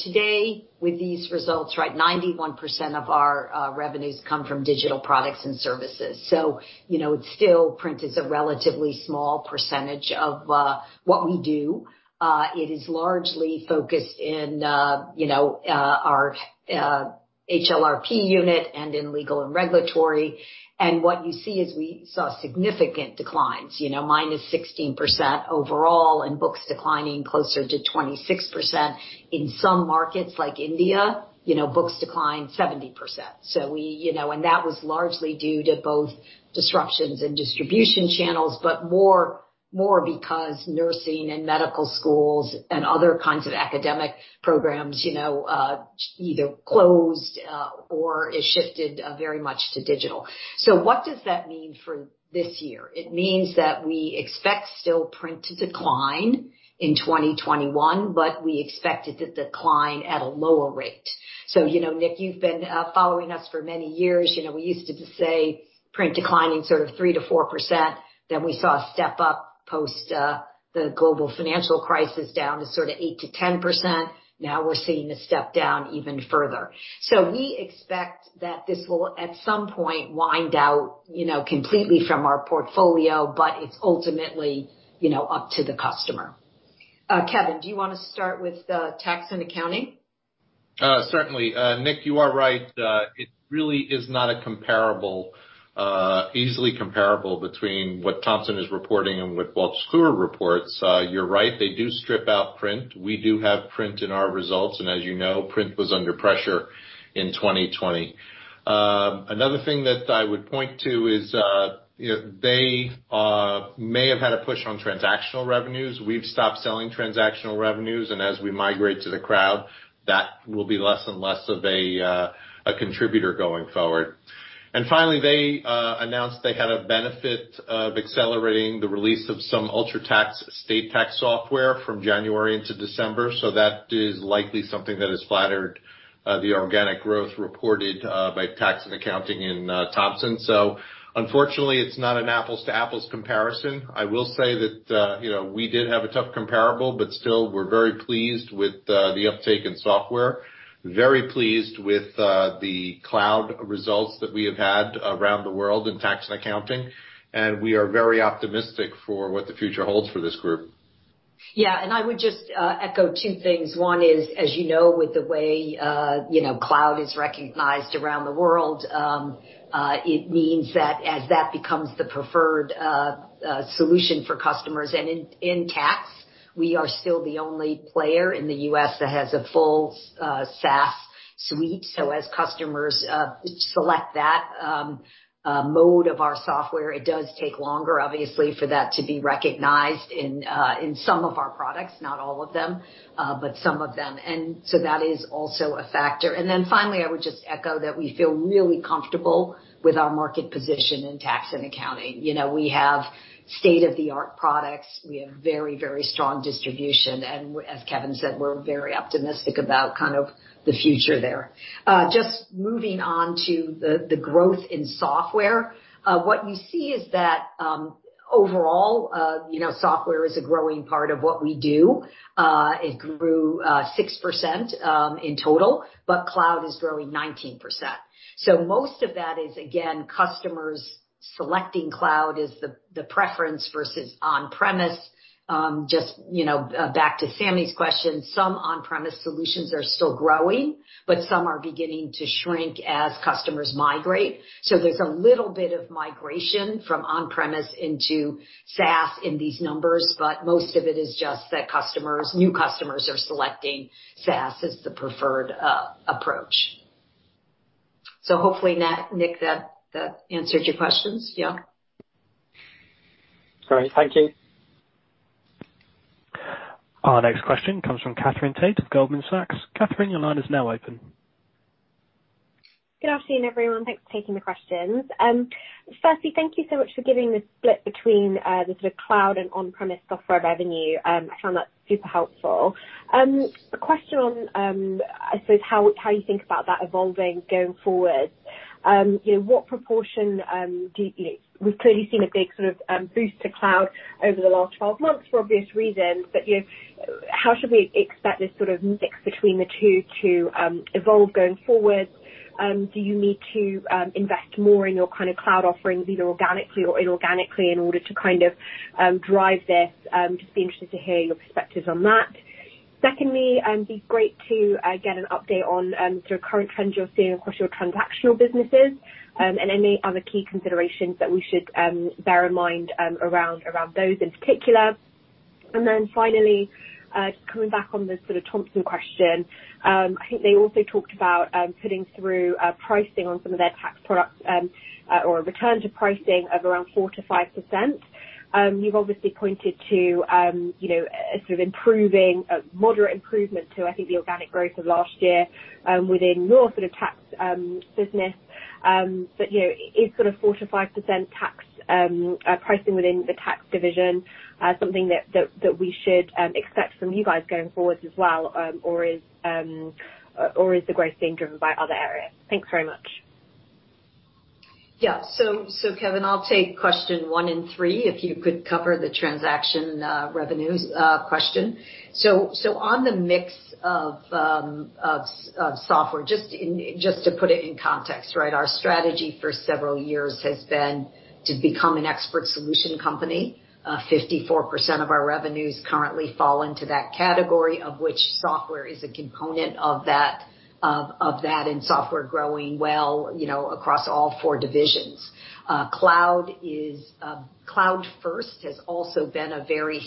today with these results, 91% of our revenues come from digital products and services. Print is a relatively small percentage of what we do. It is largely focused in our HLRP unit and in Legal & Regulatory. What you see is we saw significant declines, minus 16% overall and books declining closer to 26%. In some markets like India, books declined 70%. That was largely due to both disruptions in distribution channels, more because nursing and medical schools and other kinds of academic programs either closed or it shifted very much to digital. What does that mean for this year? It means that we expect still print to decline in 2021, but we expect it to decline at a lower rate. Nick, you've been following us for many years. We used to say print declining sort of 3%-4%, then we saw a step up post the global financial crisis down to sort of 8%-10%. Now we're seeing a step down even further. We expect that this will at some point wind out completely from our portfolio, but it's ultimately up to the customer. Kevin, do you want to start with the Tax & Accounting? Certainly. Nick, you are right. It really is not easily comparable between what Thomson is reporting and what Wolters Kluwer reports. You're right, they do strip out print. We do have print in our results, and as you know, print was under pressure in 2020. Another thing that I would point to is they may have had a push on transactional revenues. We've stopped selling transactional revenues. As we migrate to the cloud, that will be less and less of a contributor going forward. Finally, they announced they had a benefit of accelerating the release of some UltraTax state tax software from January into December. That is likely something that has flattered the organic growth reported by Tax & Accounting in Thomson. Unfortunately, it's not an apples to apples comparison. I will say that we did have a tough comparable, but still, we're very pleased with the uptake in software, very pleased with the cloud results that we have had around the world in Tax & Accounting, and we are very optimistic for what the future holds for this group. Yeah. I would just echo two things. One is, as you know, with the way cloud is recognized around the world, it means that as that becomes the preferred solution for customers, in tax, we are still the only player in the U.S. that has a full SaaS suite. As customers select that mode of our software, it does take longer, obviously, for that to be recognized in some of our products, not all of them, but some of them. That is also a factor. Finally, I would just echo that we feel really comfortable with our market position in tax and accounting. We have state-of-the-art products. We have very strong distribution. As Kevin said, we're very optimistic about the future there. Just moving on to the growth in software. What we see is, overall, software is a growing part of what we do. It grew 6% in total, but cloud is growing 19%. Most of that is, again, customers selecting cloud is the preference versus on-premise. Just back to Sami's question, some on-premise solutions are still growing, but some are beginning to shrink as customers migrate. There's a little bit of migration from on-premise into SaaS in these numbers, but most of it is just that new customers are selecting SaaS as the preferred approach. Hopefully, Nick, that answered your questions. Yeah. Great. Thank you. Our next question comes from Katherine Tait of Goldman Sachs. Katherine, your line is now open. Good afternoon, everyone. Thanks for taking the questions. Firstly, thank you so much for giving the split between the sort of cloud and on-premise software revenue. I found that super helpful. A question on how you think about that evolving going forward. We've clearly seen a big sort of boost to cloud over the last 12 months for obvious reasons, but how should we expect this sort of mix between the two to evolve going forward? Do you need to invest more in your kind of cloud offerings, either organically or inorganically, in order to kind of drive this? Just be interested to hear your perspectives on that. Secondly, it'd be great to get an update on sort of current trends you're seeing across your transactional businesses and any other key considerations that we should bear in mind around those in particular. Finally, just coming back on the sort of Thomson question. I think they also talked about putting through pricing on some of their tax products or a return to pricing of around 4%-5%. You've obviously pointed to a moderate improvement to, I think, the organic growth of last year within your sort of tax business. Is sort of 4%-5% pricing within the tax division something that we should expect from you guys going forward as well, or is the growth being driven by other areas? Thanks very much. Yeah. Kevin, I'll take question one and three if you could cover the transaction revenues question. On the mix of software, just to put it in context. Our strategy for several years has been to become an expert solution company. 54% of our revenues currently fall into that category, of which software is a component of that, and software growing well across all four divisions. Cloud first has also been a very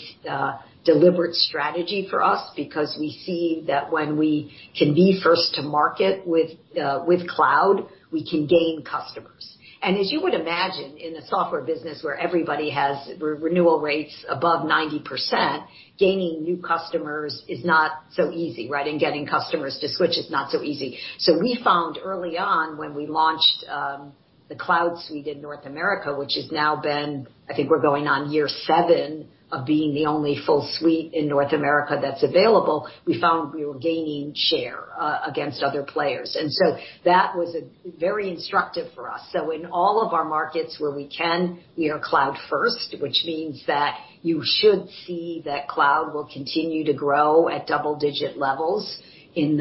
deliberate strategy for us because we see that when we can be first to market with cloud, we can gain customers. As you would imagine, in a software business where everybody has renewal rates above 90%, gaining new customers is not so easy. Getting customers to switch is not so easy. We found early on when we launched the cloud suite in North America, which has now been, I think we're going on year seven of being the only full suite in North America that's available, we found we were gaining share against other players. That was very instructive for us. In all of our markets where we can, we are cloud first, which means that you should see that cloud will continue to grow at double-digit levels in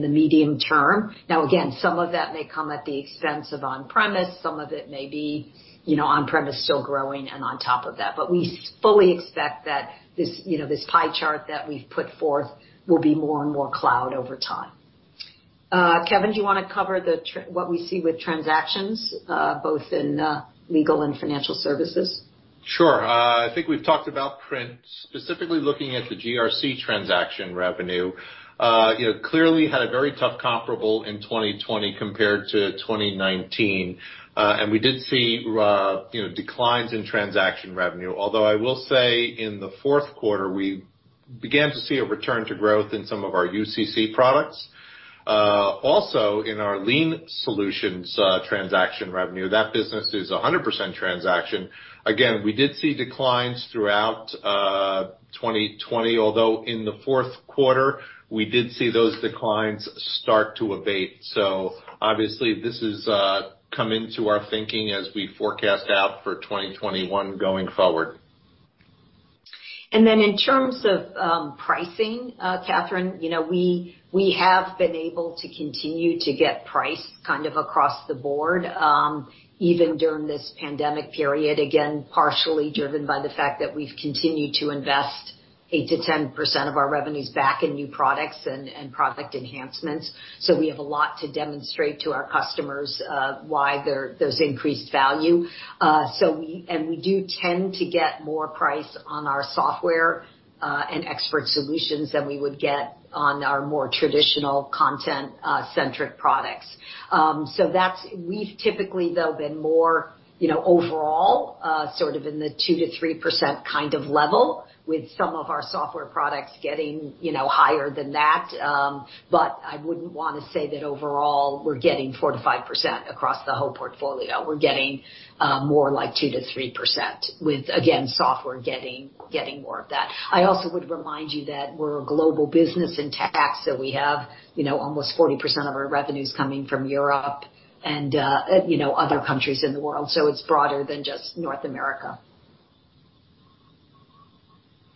the medium term. Again, some of that may come at the expense of on-premise. Some of it may be on-premise still growing and on top of that. We fully expect that this pie chart that we've put forth will be more and more cloud over time. Kevin, do you want to cover what we see with transactions, both in legal and financial services? Sure. I think we've talked about print, specifically looking at the GRC transaction revenue. Clearly had a very tough comparable in 2020 compared to 2019. We did see declines in transaction revenue. I will say in the fourth quarter, we began to see a return to growth in some of our UCC products. In our Lien Solutions transaction revenue, that business is 100% transaction. We did see declines throughout 2020, although in the fourth quarter, we did see those declines start to abate. Obviously, this has come into our thinking as we forecast out for 2021 going forward. Then in terms of pricing, Katherine, we have been able to continue to get price kind of across the board, even during this pandemic period, again, partially driven by the fact that we've continued to invest 8%-10% of our revenues back in new products and product enhancements. We have a lot to demonstrate to our customers why there's increased value. We do tend to get more price on our software and expert solutions than we would get on our more traditional content-centric products. We've typically, though, been more overall sort of in the 2%-3% kind of level with some of our software products getting higher than that. I wouldn't want to say that overall, we're getting 4%-5% across the whole portfolio. We're getting more like 2%-3% with, again, software getting more of that. I also would remind you that we're a global business in tax, so we have almost 40% of our revenues coming from Europe and other countries in the world. It's broader than just North America.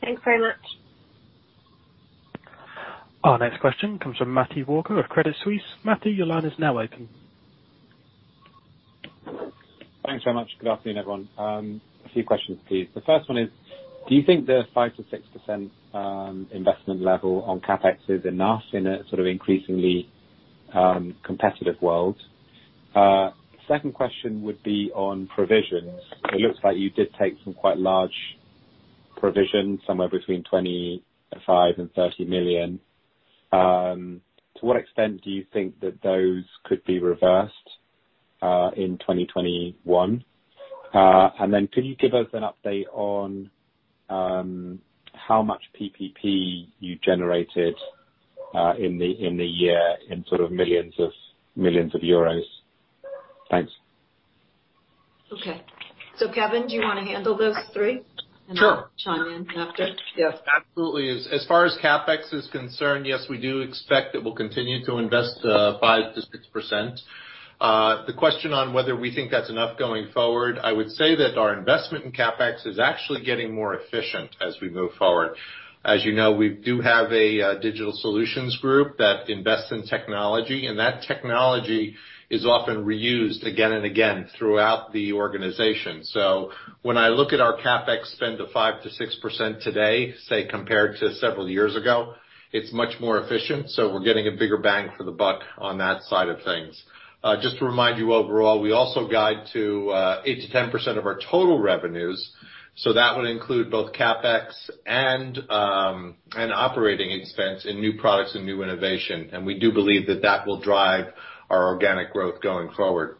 Thanks very much. Our next question comes from Matthew Walker of Credit Suisse. Matthew, your line is now open. Thanks so much. Good afternoon, everyone. A few questions, please. The first one is: do you think the 5%-6% investment level on CapEx is enough in a sort of increasingly competitive world? Second question would be on provisions. It looks like you did take some quite large provisions, somewhere between 25 million-30 million. To what extent do you think that those could be reversed in 2021? Could you give us an update on how much PPP you generated in the year in sort of millions of euros? Thanks. Okay. Kevin, do you want to handle those three? Sure. I'll chime in after. Yes, absolutely. As far as CapEx is concerned, yes, we do expect that we'll continue to invest 5%-6%. The question on whether we think that's enough going forward, I would say that our investment in CapEx is actually getting more efficient as we move forward. As you know, we do have a Digital Solutions group that invests in technology, and that technology is often reused again and again throughout the organization. When I look at our CapEx spend of 5%-6% today, say, compared to several years ago, it's much more efficient, so we're getting a bigger bang for the buck on that side of things. Just to remind you overall, we also guide to 8%-10% of our total revenues, so that would include both CapEx and operating expense in new products and new innovation, and we do believe that that will drive our organic growth going forward.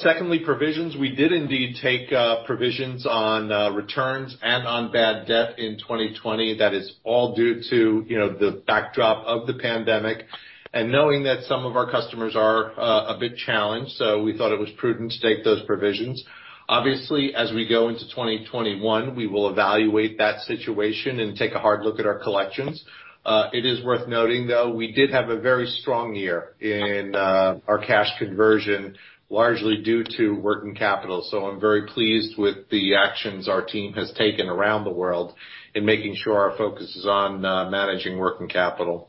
Secondly, provisions. We did indeed take provisions on returns and on bad debt in 2020. That is all due to the backdrop of the pandemic and knowing that some of our customers are a bit challenged, so we thought it was prudent to take those provisions. Obviously, as we go into 2021, we will evaluate that situation and take a hard look at our collections. It is worth noting, though, we did have a very strong year in our cash conversion, largely due to working capital. I'm very pleased with the actions our team has taken around the world in making sure our focus is on managing working capital.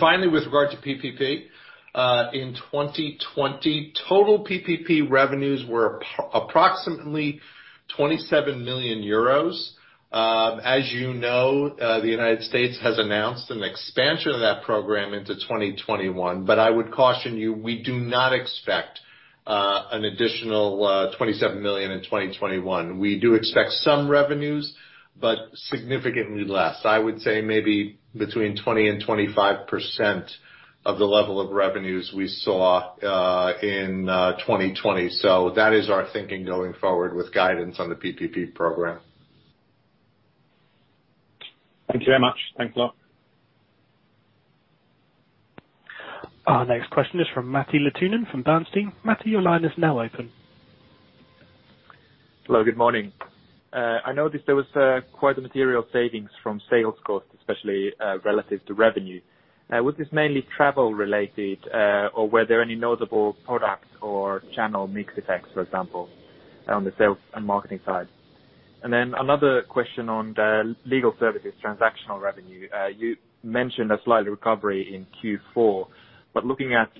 Finally, with regard to PPP, in 2020, total PPP revenues were approximately 27 million euros. As you know, the U.S. has announced an expansion of that program into 2021. I would caution you, we do not expect an additional 27 million in 2021. We do expect some revenues, but significantly less. I would say maybe between 20% and 25% of the level of revenues we saw in 2020. That is our thinking going forward with guidance on the PPP program. Thank you very much. Thanks a lot. Our next question is from Matti Littunen from Bernstein. Matti, your line is now open. Hello, good morning. I noticed there was quite a material savings from sales costs, especially relative to revenue. Was this mainly travel related? Were there any notable product or channel mix effects, for example, on the sales and marketing side? Another question on the legal services transactional revenue. You mentioned a slight recovery in Q4, but looking at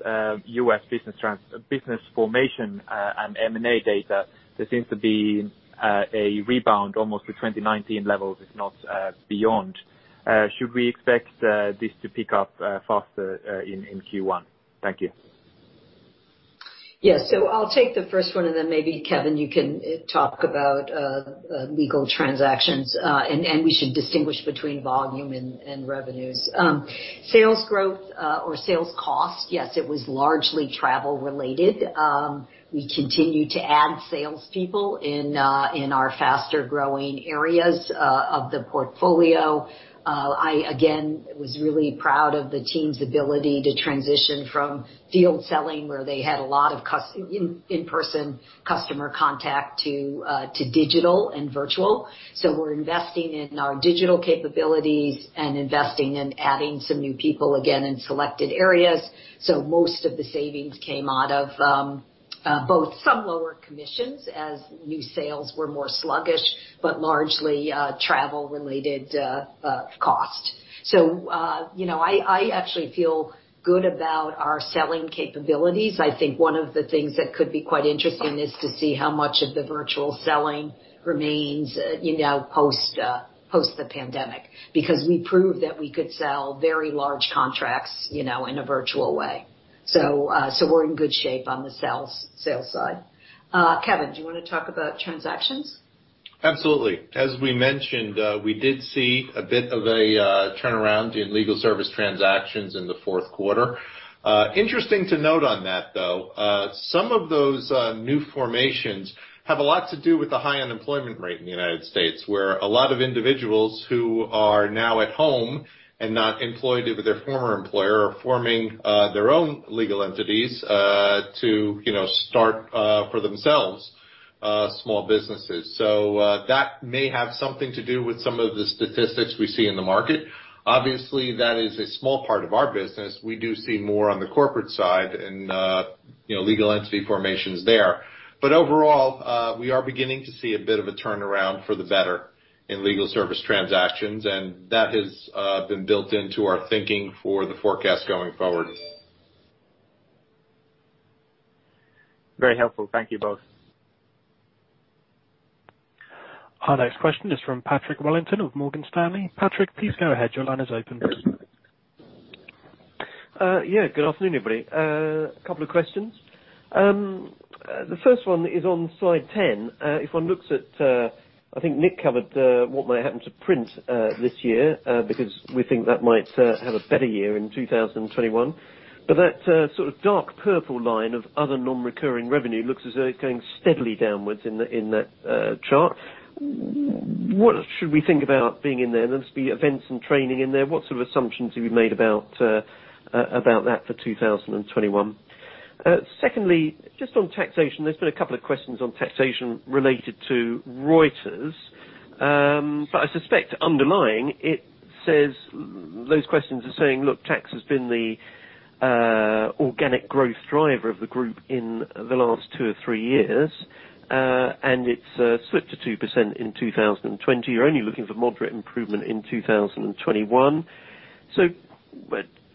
U.S. business formation and M&A data, there seems to be a rebound almost to 2019 levels, if not beyond. Should we expect this to pick up faster in Q1? Thank you. Yeah. I'll take the first one and then maybe, Kevin, you can talk about legal transactions. We should distinguish between volume and revenues. Sales growth or sales cost, yes, it was largely travel related. We continue to add sales people in our faster-growing areas of the portfolio. I, again, was really proud of the team's ability to transition from field selling, where they had a lot of in-person customer contact, to digital and virtual. We're investing in our digital capabilities and investing in adding some new people again in selected areas. Most of the savings came out of both some lower commissions as new sales were more sluggish, but largely travel-related cost. I actually feel good about our selling capabilities. I think one of the things that could be quite interesting is to see how much of the virtual selling remains post the pandemic, because we proved that we could sell very large contracts in a virtual way. We're in good shape on the sales side. Kevin, do you want to talk about transactions? Absolutely. As we mentioned, we did see a bit of a turnaround in legal service transactions in the fourth quarter. Interesting to note on that, though, some of those new formations have a lot to do with the high unemployment rate in the U.S., where a lot of individuals who are now at home and not employed with their former employer are forming their own legal entities to start for themselves, small businesses. That may have something to do with some of the statistics we see in the market. Obviously, that is a small part of our business. We do see more on the corporate side and legal entity formations there. Overall, we are beginning to see a bit of a turnaround for the better in legal service transactions, and that has been built into our thinking for the forecast going forward. Very helpful. Thank you both. Our next question is from Patrick Wellington of Morgan Stanley. Patrick, please go ahead. Your line is open. Yes. Good afternoon, everybody. A couple of questions. The first one is on slide 10. If one looks at, I think Nick covered what might happen to print this year, because we think that might have a better year in 2021. That sort of dark purple line of other non-recurring revenue looks as though it's going steadily downwards in that chart. What should we think about being in there? There must be events and training in there. What sort of assumptions have you made about that for 2021? Secondly, just on taxation, there's been a couple of questions on taxation related to Thomson Reuters. I suspect underlying, those questions are saying, look, tax has been the organic growth driver of the group in the last two or three years. It's slipped to 2% in 2020. You're only looking for moderate improvement in 2021.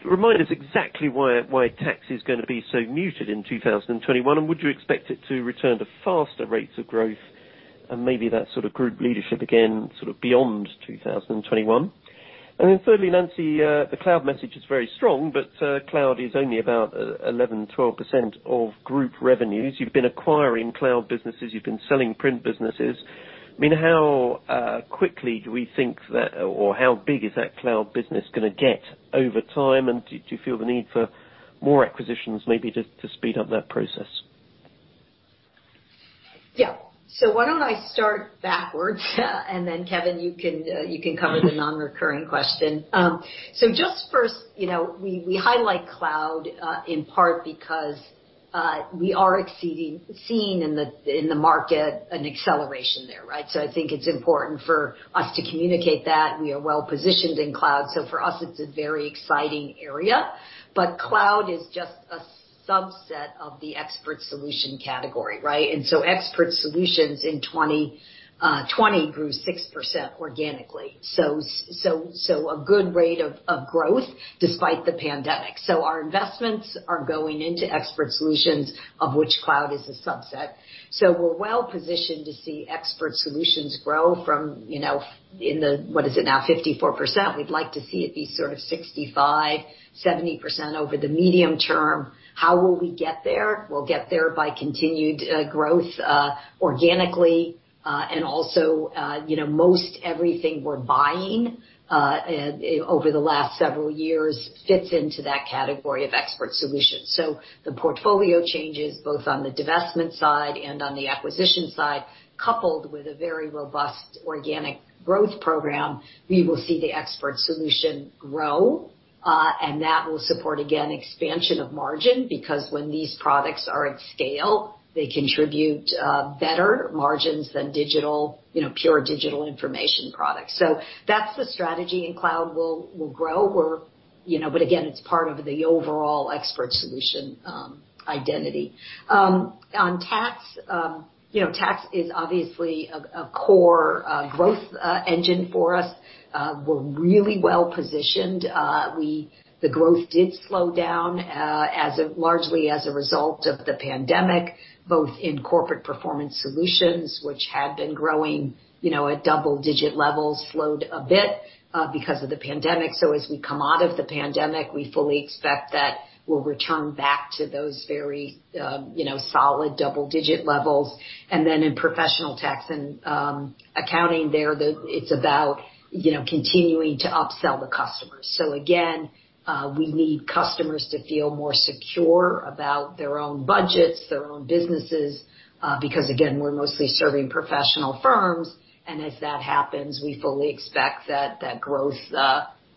Remind us exactly why tax is going to be so muted in 2021, and would you expect it to return to faster rates of growth and maybe that sort of group leadership again, sort of beyond 2021? Thirdly, Nancy, the cloud message is very strong, but cloud is only about 11%, 12% of group revenues. You've been acquiring cloud businesses, you've been selling print businesses. How quickly do we think that Or how big is that cloud business going to get over time? Do you feel the need for more acquisitions maybe to speed up that process? Yeah. Why don't I start backwards, and then Kevin, you can cover the non-recurring question. Just first, we highlight cloud, in part because we are seeing in the market an acceleration there, right? I think it's important for us to communicate that we are well-positioned in cloud. For us, it's a very exciting area, but cloud is just a subset of the Expert Solutions category, right? Expert Solutions in 2020 grew 6% organically. A good rate of growth despite the pandemic. Our investments are going into Expert Solutions, of which cloud is a subset. We're well-positioned to see Expert Solutions grow from, what is it now? 54%. We'd like to see it be sort of 65%-70% over the medium term. How will we get there? We'll get there by continued growth organically, and also most everything we're buying over the last several years fits into that category of expert solutions. The portfolio changes both on the divestment side and on the acquisition side, coupled with a very robust organic growth program, we will see the expert solution grow. That will support, again, expansion of margin, because when these products are at scale, they contribute better margins than pure digital information products. That's the strategy, and cloud will grow. Again, it's part of the overall expert solution identity. On tax is obviously a core growth engine for us. We're really well-positioned. The growth did slow down largely as a result of the pandemic, both in Corporate Performance Solutions, which had been growing at double-digit levels, slowed a bit because of the pandemic. As we come out of the pandemic, we fully expect that we'll return back to those very solid double digit levels. In Tax & Accounting there, it's about continuing to upsell the customers. Again, we need customers to feel more secure about their own budgets, their own businesses, because again, we're mostly serving professional firms. As that happens, we fully expect that that growth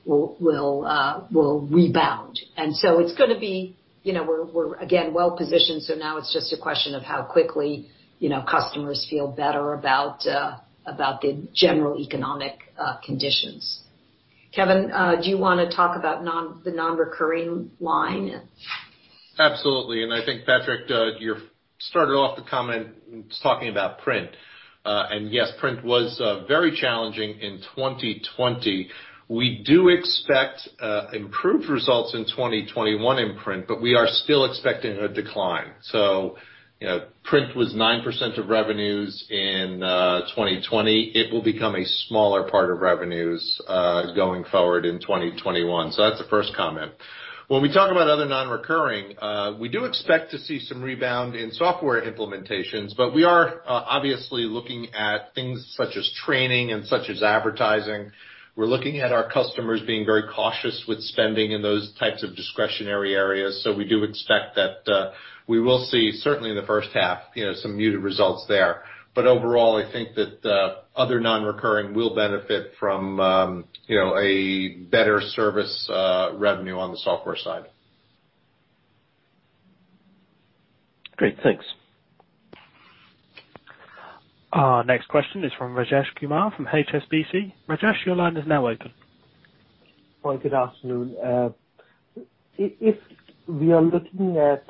will rebound. We're, again, well-positioned. Now it's just a question of how quickly customers feel better about the general economic conditions. Kevin, do you want to talk about the non-recurring line? Absolutely. I think Patrick, you started off the comment talking about print. Yes, print was very challenging in 2020. We do expect improved results in 2021 in print, but we are still expecting a decline. Print was 9% of revenues in 2020. It will become a smaller part of revenues going forward in 2021. That's the first comment. When we talk about other non-recurring, we do expect to see some rebound in software implementations, but we are obviously looking at things such as training and such as advertising. We're looking at our customers being very cautious with spending in those types of discretionary areas. We do expect that we will see, certainly in the first half, some muted results there. Overall, I think that other non-recurring will benefit from a better service revenue on the software side. Great. Thanks. Our next question is from Rajesh Kumar from HSBC. Rajesh, your line is now open. Good afternoon. We are looking at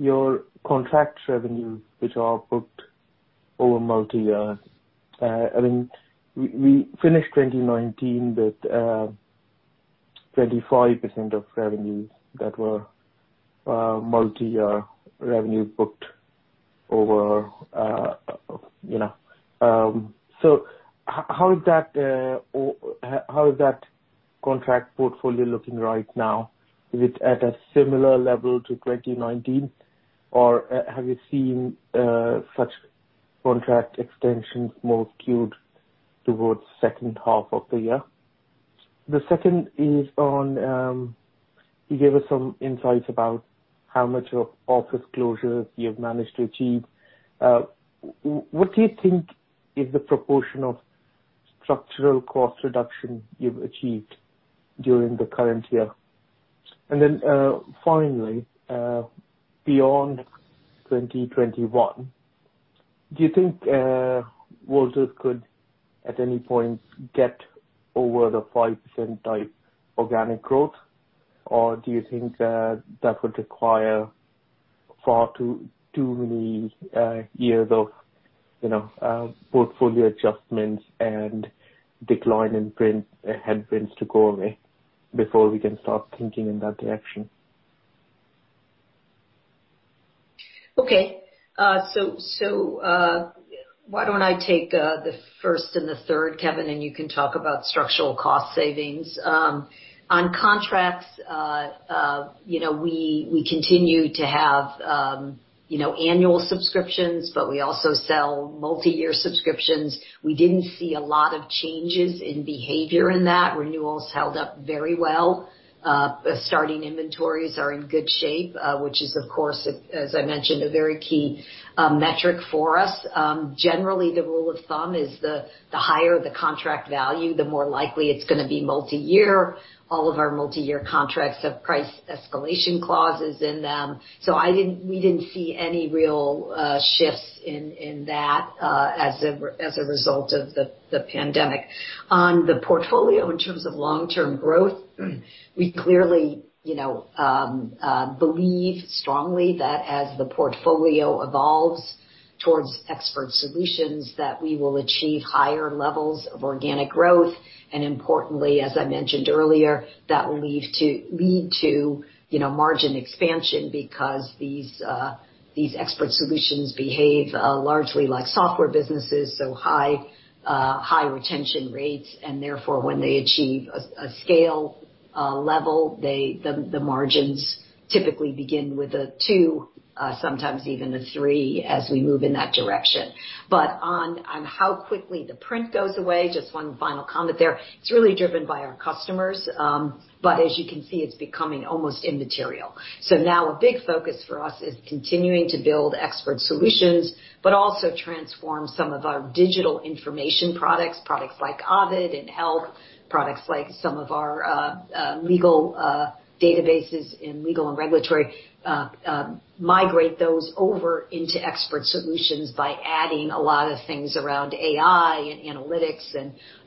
your contract revenue, which are booked over multi-year. We finished 2019 with 25% of revenues that were multi-year revenue booked over. How is that contract portfolio looking right now? Is it at a similar level to 2019, or have you seen such contract extensions more skewed towards second half of the year? The second is on, you gave us some insights about how much of office closures you've managed to achieve. What do you think is the proportion of structural cost reduction you've achieved during the current year? Finally, beyond 2021, do you think Wolters could, at any point, get over the 5% type organic growth? Do you think that that would require far too many years of portfolio adjustments and decline in print headwinds to go away before we can start thinking in that direction? Okay. Why don't I take the first and the third, Kevin, and you can talk about structural cost savings. On contracts, we continue to have annual subscriptions, but we also sell multi-year subscriptions. We didn't see a lot of changes in behavior in that. Renewals held up very well. Starting inventories are in good shape, which is, of course, as I mentioned, a very key metric for us. Generally, the rule of thumb is the higher the contract value, the more likely it's going to be multi-year. All of our multi-year contracts have price escalation clauses in them. We didn't see any real shifts in that as a result of the pandemic. On the portfolio, in terms of long-term growth, we clearly believe strongly that as the portfolio evolves towards expert solutions, that we will achieve higher levels of organic growth. Importantly, as I mentioned earlier, that will lead to margin expansion because these expert solutions behave largely like software businesses, high retention rates, and therefore, when they achieve a scale level, the margins typically begin with a two, sometimes even a three, as we move in that direction. On how quickly the print goes away, just one final comment there. It's really driven by our customers. Now a big focus for us is continuing to build expert solutions, but also transform some of our digital information products like Ovid and Health, products like some of our legal databases in Legal & Regulatory, migrate those over into expert solutions by adding a lot of things around AI and analytics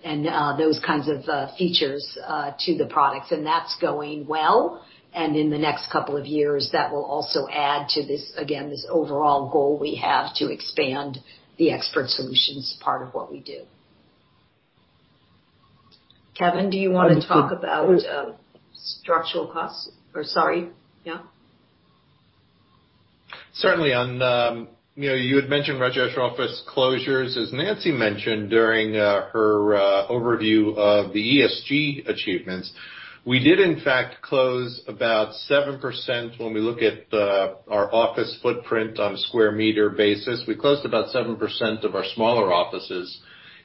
and those kinds of features to the products. That's going well. In the next couple of years, that will also add to this, again, this overall goal we have to expand the expert solutions part of what we do. Kevin, do you want to talk about structural costs? Certainly. You had mentioned, Rajesh, office closures. As Nancy mentioned during her overview of the ESG achievements, we did in fact close about 7%, when we look at our office footprint on a square meter basis. We closed about 7% of our smaller offices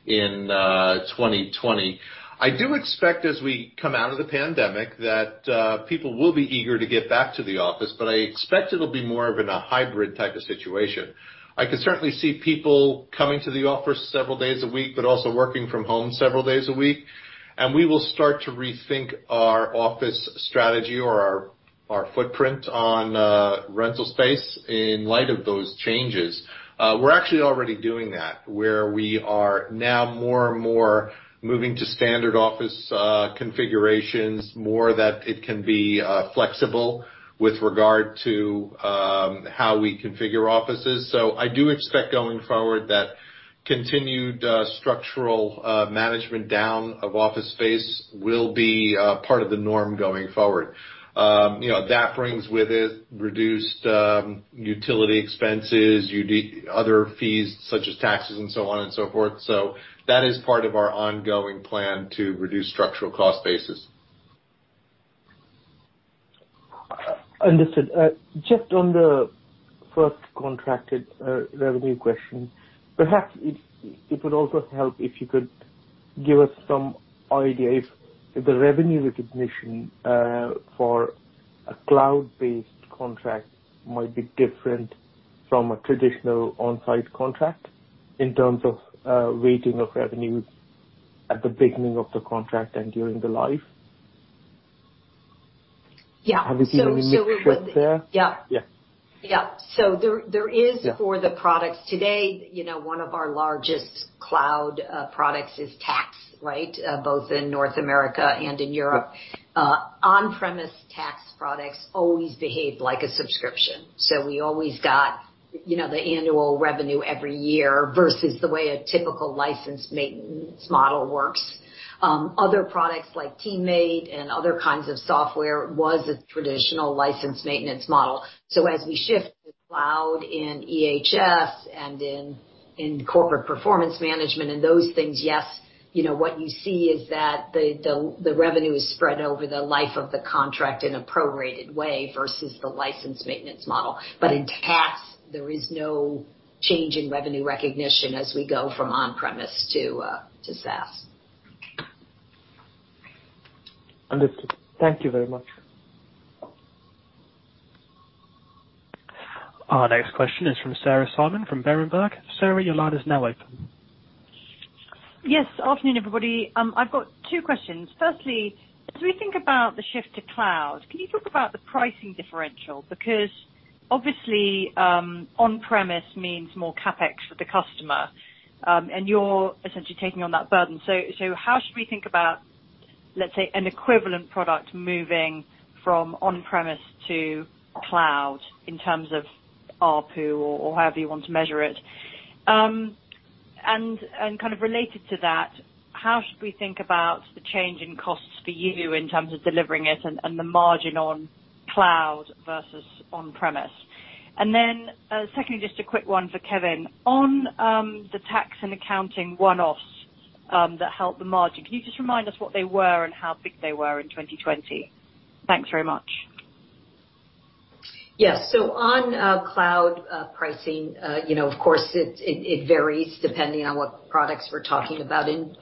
in 2020. I do expect as we come out of the pandemic that people will be eager to get back to the office, but I expect it'll be more of in a hybrid type of situation. I could certainly see people coming to the office several days a week, but also working from home several days a week. We will start to rethink our office strategy or our footprint on rental space in light of those changes. We're actually already doing that, where we are now more and more moving to standard office configurations, more that it can be flexible with regard to how we configure offices. I do expect going forward, that continued structural management down of office space will be part of the norm going forward. That brings with it reduced utility expenses, other fees such as taxes and so on and so forth. That is part of our ongoing plan to reduce structural cost basis. Understood. Just on the first contracted revenue question, perhaps it would also help if you could give us some idea if the revenue recognition for a cloud-based contract might be different from a traditional on-site contract in terms of weighting of revenue at the beginning of the contract and during the life. Yeah. Have you seen any shift there? Yeah. Yeah. Yeah. Yeah. There is, for the products today, one of our largest cloud products is tax, both in North America and in Europe. On-premise tax products always behaved like a subscription. We always got the annual revenue every year versus the way a typical license maintenance model works. Other products like TeamMate and other kinds of software was a traditional license maintenance model. As we shift to cloud in EHS and in corporate performance management and those things, yes, what you see is that the revenue is spread over the life of the contract in a prorated way versus the license maintenance model. In tax, there is no change in revenue recognition as we go from on-premise to SaaS. Understood. Thank you very much. Our next question is from Sarah Simon from Berenberg. Sarah, your line is now open. Yes. Afternoon, everybody. I've got two questions. Firstly, as we think about the shift to cloud, can you talk about the pricing differential? Obviously, on-premise means more CapEx for the customer, and you're essentially taking on that burden. How should we think about, let's say, an equivalent product moving from on-premise to cloud in terms of ARPU or however you want to measure it? Kind of related to that, how should we think about the change in costs for you in terms of delivering it and the margin on cloud versus on-premise? Secondly, just a quick one for Kevin. On the Tax & Accounting one-offs that help the margin, can you just remind us what they were and how big they were in 2020? Thanks very much. Yes. On cloud pricing, of course, it varies depending on what products we're talking about. In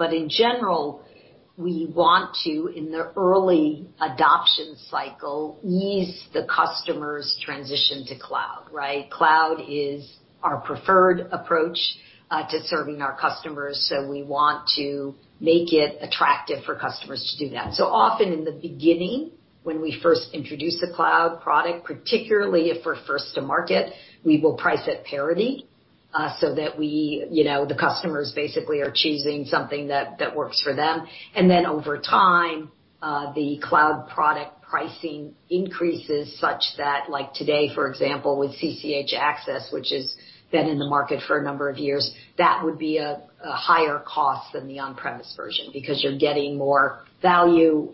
general, we want to, in the early adoption cycle, ease the customer's transition to cloud, right? Cloud is our preferred approach to serving our customers, we want to make it attractive for customers to do that. Often in the beginning, when we first introduce a cloud product, particularly if we're first to market, we will price at parity, so that the customers basically are choosing something that works for them. Over time, the cloud product pricing increases such that like today, for example, with CCH Axcess, which has been in the market for a number of years, that would be a higher cost than the on-premise version because you're getting more value,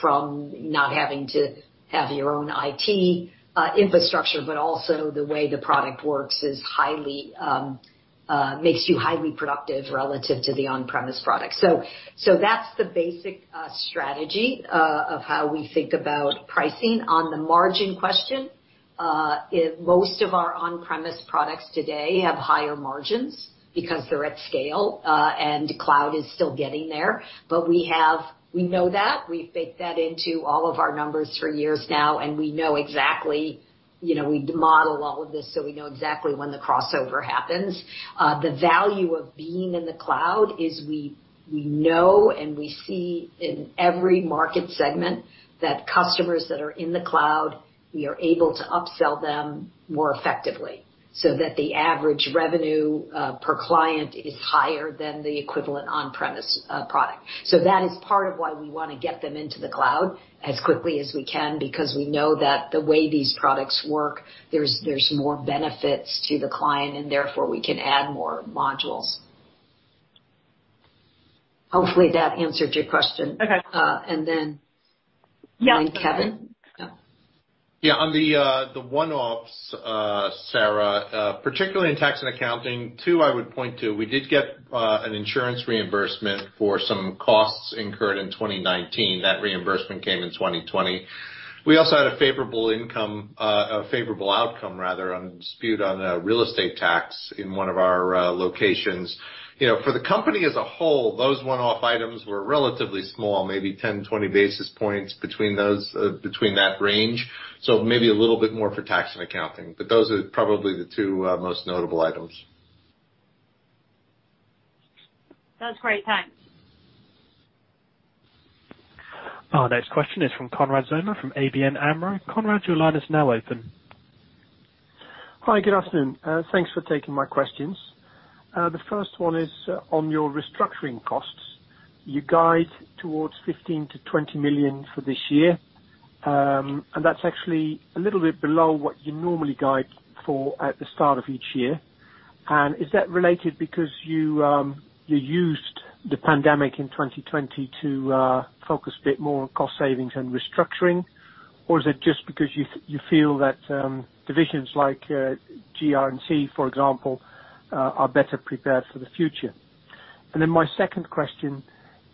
from not having to have your own IT infrastructure, but also the way the product works makes you highly productive relative to the on-premise product. That's the basic strategy of how we think about pricing. On the margin question, most of our on-premise products today have higher margins because they're at scale, and cloud is still getting there. We know that, we've baked that into all of our numbers for years now, and we know exactly. We model all of this so we know exactly when the crossover happens. The value of being in the cloud is we know and we see in every market segment that customers that are in the cloud, we are able to upsell them more effectively, so that the average revenue per client is higher than the equivalent on-premise product. That is part of why we want to get them into the cloud as quickly as we can because we know that the way these products work, there's more benefits to the client and therefore we can add more modules. Hopefully that answered your question. Okay. Kevin? On the one-offs, Sarah, particularly in Tax & Accounting, two I would point to. We did get an insurance reimbursement for some costs incurred in 2019. That reimbursement came in 2020. We also had a favorable outcome on a dispute on a real estate tax in one of our locations. For the company as a whole, those one-off items were relatively small, maybe 10-20 basis points between that range. Maybe a little bit more for Tax & Accounting. Those are probably the two most notable items. That's great. Thanks. Our next question is from Konrad Zomer from ABN AMRO. Konrad, your line is now open. Hi, good afternoon. Thanks for taking my questions. The first one is on your restructuring costs. You guide towards 15 million-20 million for this year. That's actually a little bit below what you normally guide for at the start of each year. Is that related because you used the pandemic in 2020 to focus a bit more on cost savings and restructuring? Is it just because you feel that divisions like GRC, for example, are better prepared for the future? My second question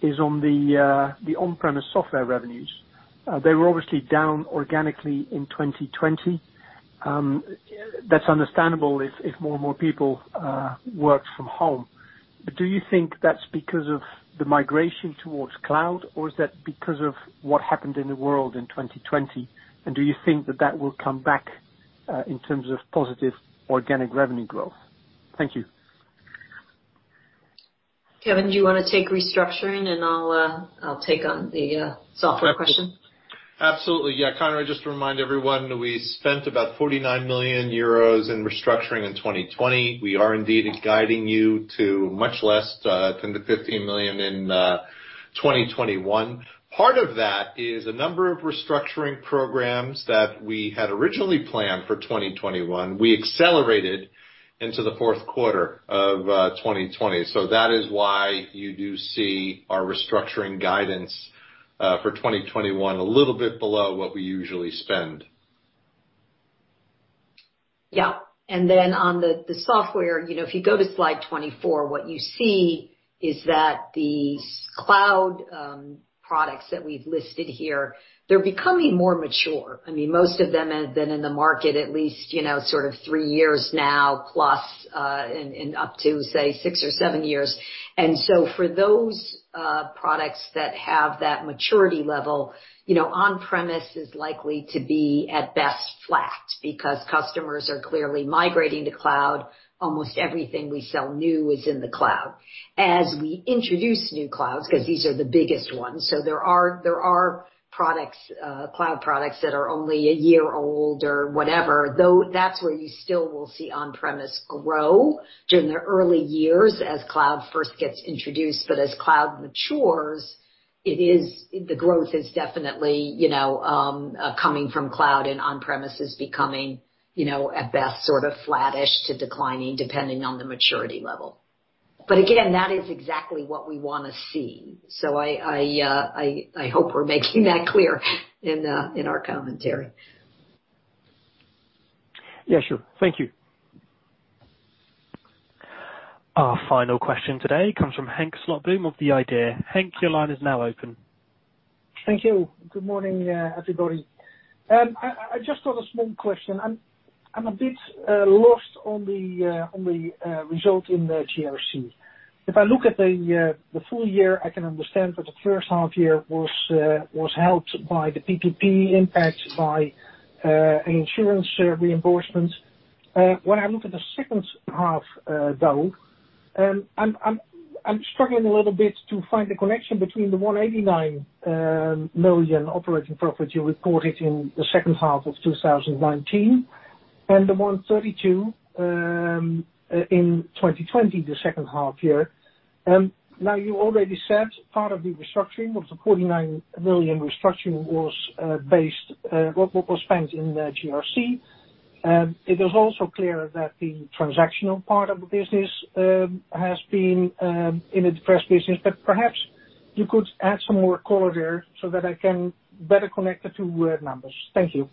is on the on-premise software revenues. They were obviously down organically in 2020. That's understandable if more and more people worked from home. Do you think that's because of the migration towards cloud, or is that because of what happened in the world in 2020? Do you think that that will come back, in terms of positive organic revenue growth? Thank you. Kevin, do you want to take restructuring and I'll take on the software question? Absolutely. Konrad, just to remind everyone, we spent about 49 million euros in restructuring in 2020. We are indeed guiding you to much less, 10 million-15 million in 2021. Part of that is a number of restructuring programs that we had originally planned for 2021. We accelerated into the fourth quarter of 2020. That is why you do see our restructuring guidance for 2021 a little bit below what we usually spend. Yeah. On the software, if you go to slide 24, what you see is that the cloud products that we've listed here, they're becoming more mature. Most of them have been in the market at least sort of three years now, plus, and up to, say, six or seven years. For those products that have that maturity level, on-premise is likely to be, at best, flat because customers are clearly migrating to cloud. Almost everything we sell new is in the cloud. As we introduce new clouds, because these are the biggest ones, there are cloud products that are only a year old or whatever. That's where you still will see on-premise grow during the early years as cloud first gets introduced. As cloud matures, the growth is definitely coming from cloud and on-premise is becoming, at best, sort of flattish to declining, depending on the maturity level. Again, that is exactly what we want to see. I hope we're making that clear in our commentary. Yeah, sure. Thank you. Our final question today comes from Henk Slotboom of The Idea. Henk, your line is now open. Thank you. Good morning, everybody. I just got a small question. I'm a bit lost on the result in the GRC. If I look at the full year, I can understand that the first half year was helped by the PPP impact by insurance reimbursement. When I look at the second half, though, I'm struggling a little bit to find the connection between the 189 million operating profit you reported in the second half of 2019 and the 132 million in 2020, the second half year. You already said part of the restructuring of the 49 million restructuring was spent in GRC. It is also clear that the transactional part of the business has been in a depressed business, but perhaps you could add some more color there so that I can better connect the two numbers. Thank you.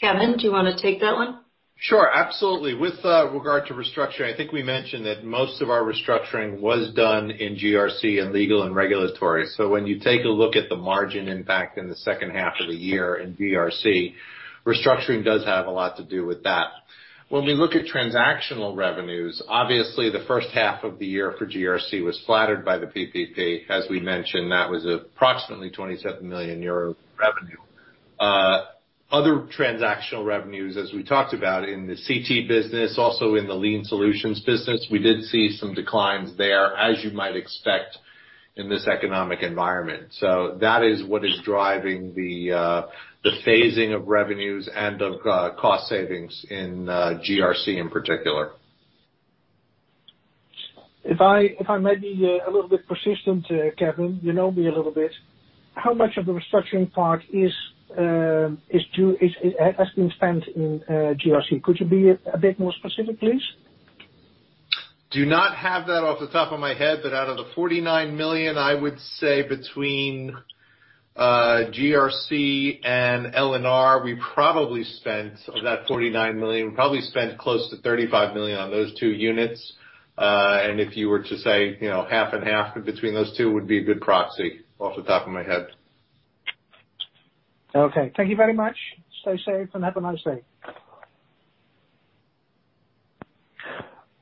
Kevin, do you want to take that one? Sure, absolutely. With regard to restructuring, I think we mentioned that most of our restructuring was done in GRC and Legal & Regulatory. When you take a look at the margin impact in the second half of the year in GRC, restructuring does have a lot to do with that. When we look at transactional revenues, obviously the first half of the year for GRC was flattered by the PPP. As we mentioned, that was approximately 27 million euros revenue. Other transactional revenues, as we talked about in the CT business, also in the Lien Solutions business, we did see some declines there, as you might expect in this economic environment. That is what is driving the phasing of revenues and of cost savings in GRC in particular. If I may be a little bit persistent, Kevin, you know me a little bit. How much of the restructuring part has been spent in GRC? Could you be a bit more specific, please? Do not have that off the top of my head. Out of the 49 million, I would say between GRC and L&R, we probably spent, of that 49 million, probably spent close to 35 million on those two units. If you were to say half and half between those two would be a good proxy off the top of my head. Okay. Thank you very much. Stay safe and have a nice day.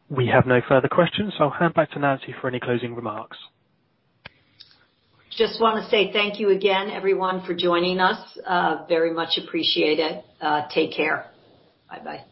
We have no further questions, so I'll hand back to Nancy for any closing remarks. Just want to say thank you again, everyone, for joining us. Very much appreciate it. Take care. Bye-bye.